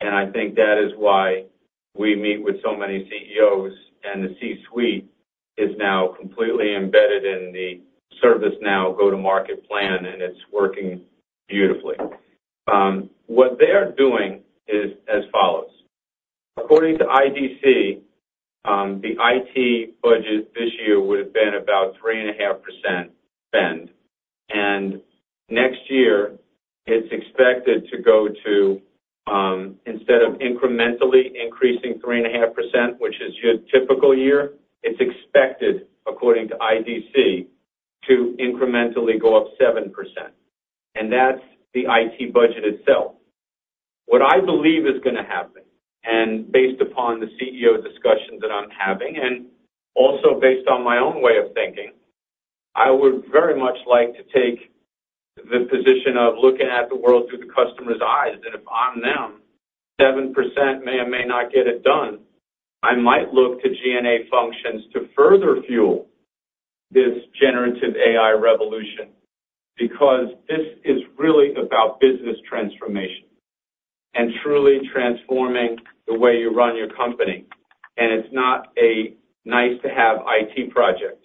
[SPEAKER 3] and I think that is why we meet with so many CEOs, and the C-suite is now completely embedded in the ServiceNow go-to-market plan, and it's working beautifully. What they're doing is as follows: according to IDC, the IT budget this year would have been about 3.5% spend, and next year, it's expected to go to, instead of incrementally increasing 3.5%, which is your typical year, it's expected, according to IDC, to incrementally go up 7%, and that's the IT budget itself. What I believe is gonna happen, and based upon the CEO discussions that I'm having, and also based on my own way of thinking, I would very much like to take the position of looking at the world through the customer's eyes. That if I'm them, 7% may or may not get it done. I might look to G&A functions to further fuel this generative AI revolution, because this is really about business transformation and truly transforming the way you run your company, and it's not a nice-to-have IT project.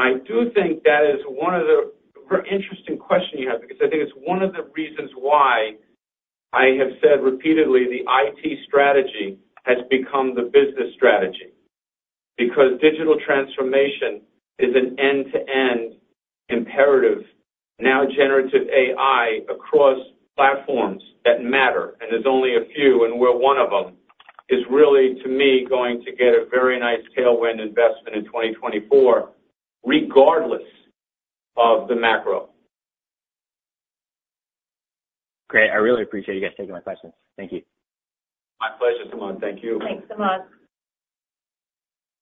[SPEAKER 3] I do think that is one of the very interesting question you have, because I think it's one of the reasons why I have said repeatedly, the IT strategy has become the business strategy. Because digital transformation is an end-to-end imperative. Now, generative AI across platforms that matter, and there's only a few, and we're one of them, is really, to me, going to get a very nice tailwind investment in 2024, regardless of the macro.
[SPEAKER 18] Great. I really appreciate you guys taking my questions. Thank you.
[SPEAKER 3] My pleasure, Samad. Thank you.
[SPEAKER 4] Thanks, Samad.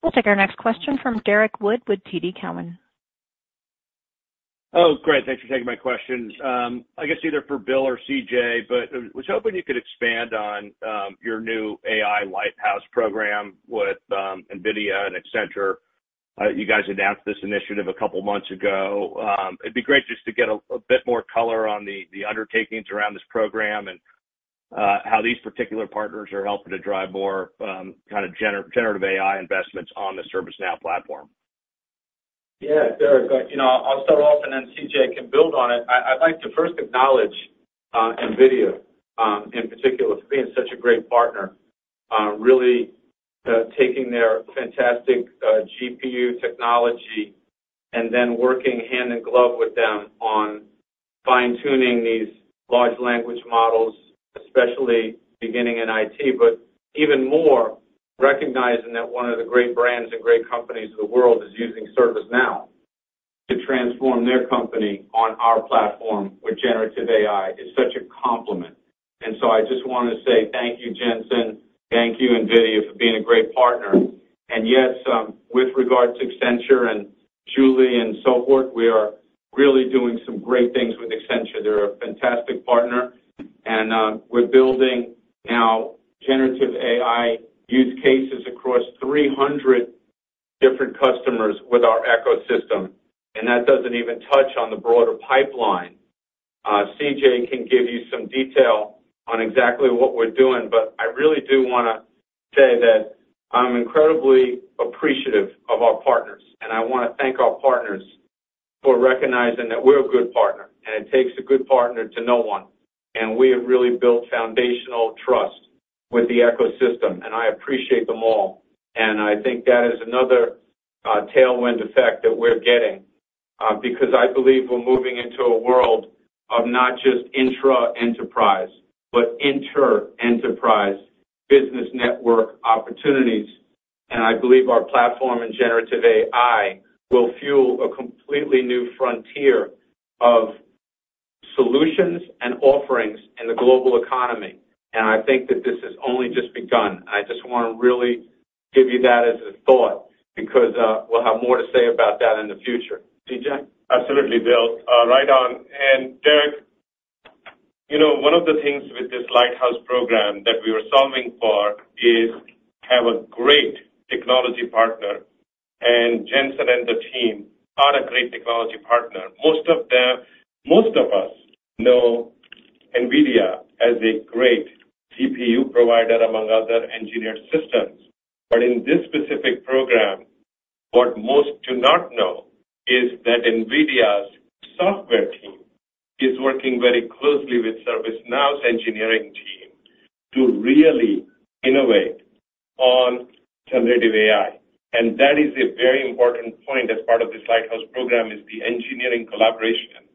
[SPEAKER 1] We'll take our next question from Derek Wood with TD Cowen.
[SPEAKER 19] Oh, great. Thanks for taking my questions. I guess either for Bill or CJ, but I was hoping you could expand on, your new AI Lighthouse program with, NVIDIA and Accenture. You guys announced this initiative a couple months ago. It'd be great just to get a, a bit more color on the, the undertakings around this program and, how these particular partners are helping to drive more, kind of generative AI investments on the ServiceNow platform.
[SPEAKER 3] Yeah, Derek, you know, I'll start off and then CJ can build on it. I, I'd like to first acknowledge, NVIDIA, in particular, for being such a great partner, really, taking their fantastic, GPU technology and then working hand in glove with them on fine-tuning these large language models, especially beginning in IT. But even more, recognizing that one of the great brands and great companies in the world is using ServiceNow to transform their company on our platform with generative AI is such a compliment. And so I just wanted to say thank you, Jensen, thank you, NVIDIA, for being a great partner. And yes, with regards to Accenture and Julie and so forth, we are really doing some great things with Accenture. They're a fantastic partner, and, we're building now generative AI use cases across 300 different customers with our ecosystem, and that doesn't even touch on the broader pipeline. CJ can give you some detail on exactly what we're doing, but I really do wanna say that I'm incredibly appreciative of our partners, and I wanna thank our partners for recognizing that we're a good partner, and it takes a good partner to know one. And we have really built foundational trust with the ecosystem, and I appreciate them all. And I think that is another, tailwind effect that we're getting, because I believe we're moving into a world of not just intra-enterprise, but inter-enterprise business network opportunities. And I believe our platform in generative AI will fuel a completely new frontier of solutions and offerings in the global economy, and I think that this has only just begun. I just wanna really give you that as a thought because, we'll have more to say about that in the future. CJ?
[SPEAKER 6] Absolutely, Bill. Right on. And Derek-... this Lighthouse program that we are solving for is have a great technology partner, and Jensen and the team are a great technology partner. Most of them, most of us know NVIDIA as a great GPU provider, among other engineered systems. But in this specific program, what most do not know is that NVIDIA's software team is working very closely with ServiceNow's engineering team to really innovate on generative AI. And that is a very important point as part of this Lighthouse program, is the engineering collaboration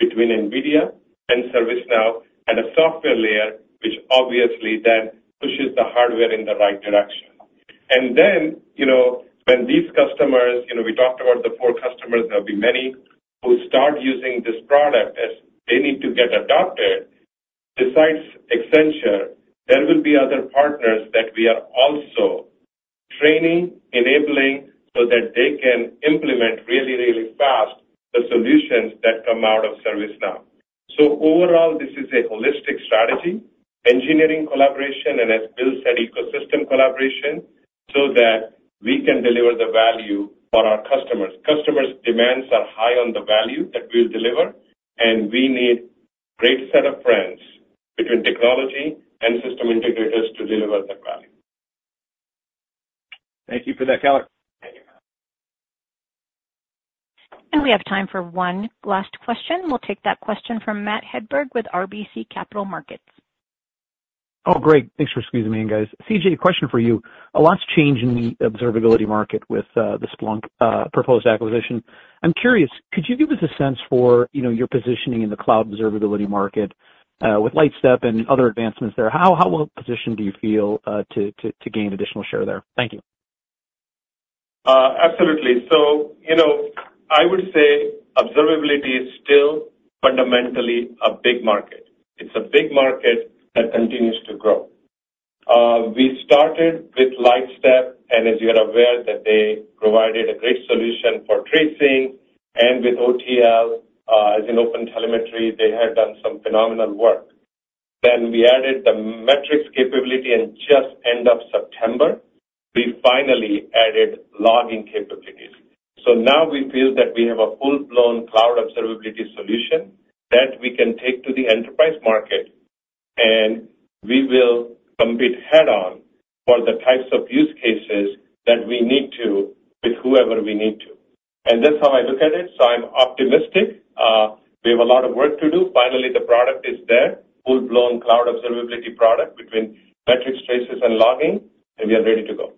[SPEAKER 6] between NVIDIA and ServiceNow, and a software layer, which obviously then pushes the hardware in the right direction. And then, you know, when these customers, you know, we talked about the four customers, there'll be many who start using this product as they need to get adopted. Besides Accenture, there will be other partners that we are also training, enabling, so that they can implement really, really fast the solutions that come out of ServiceNow. So overall, this is a holistic strategy, engineering collaboration, and as Bill said, ecosystem collaboration, so that we can deliver the value for our customers. Customers' demands are high on the value that we'll deliver, and we need great set of friends between technology and system integrators to deliver that value.
[SPEAKER 19] Thank you for that, CJ.
[SPEAKER 1] We have time for one last question. We'll take that question from Matt Hedberg with RBC Capital Markets.
[SPEAKER 20] Oh, great. Thanks for squeezing me in, guys. CJ, a question for you. A lot's changed in the observability market with the Splunk proposed acquisition. I'm curious, could you give us a sense for, you know, your positioning in the cloud observability market with Lightstep and other advancements there? How well positioned do you feel to gain additional share there? Thank you.
[SPEAKER 6] Absolutely. So, you know, I would say observability is still fundamentally a big market. It's a big market that continues to grow. We started with Lightstep, and as you're aware, that they provided a great solution for tracing and with OTL, as in OpenTelemetry, they had done some phenomenal work. Then we added the metrics capability, and just end of September, we finally added logging capabilities. So now we feel that we have a full-blown cloud observability solution that we can take to the enterprise market, and we will compete head-on for the types of use cases that we need to with whoever we need to. And that's how I look at it, so I'm optimistic. We have a lot of work to do. Finally, the product is there, full-blown cloud observability product between metrics, traces, and logging, and we are ready to go.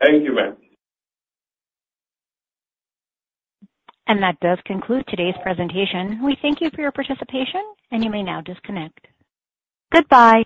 [SPEAKER 6] Thank you, Matt.
[SPEAKER 1] That does conclude today's presentation. We thank you for your participation, and you may now disconnect. Goodbye.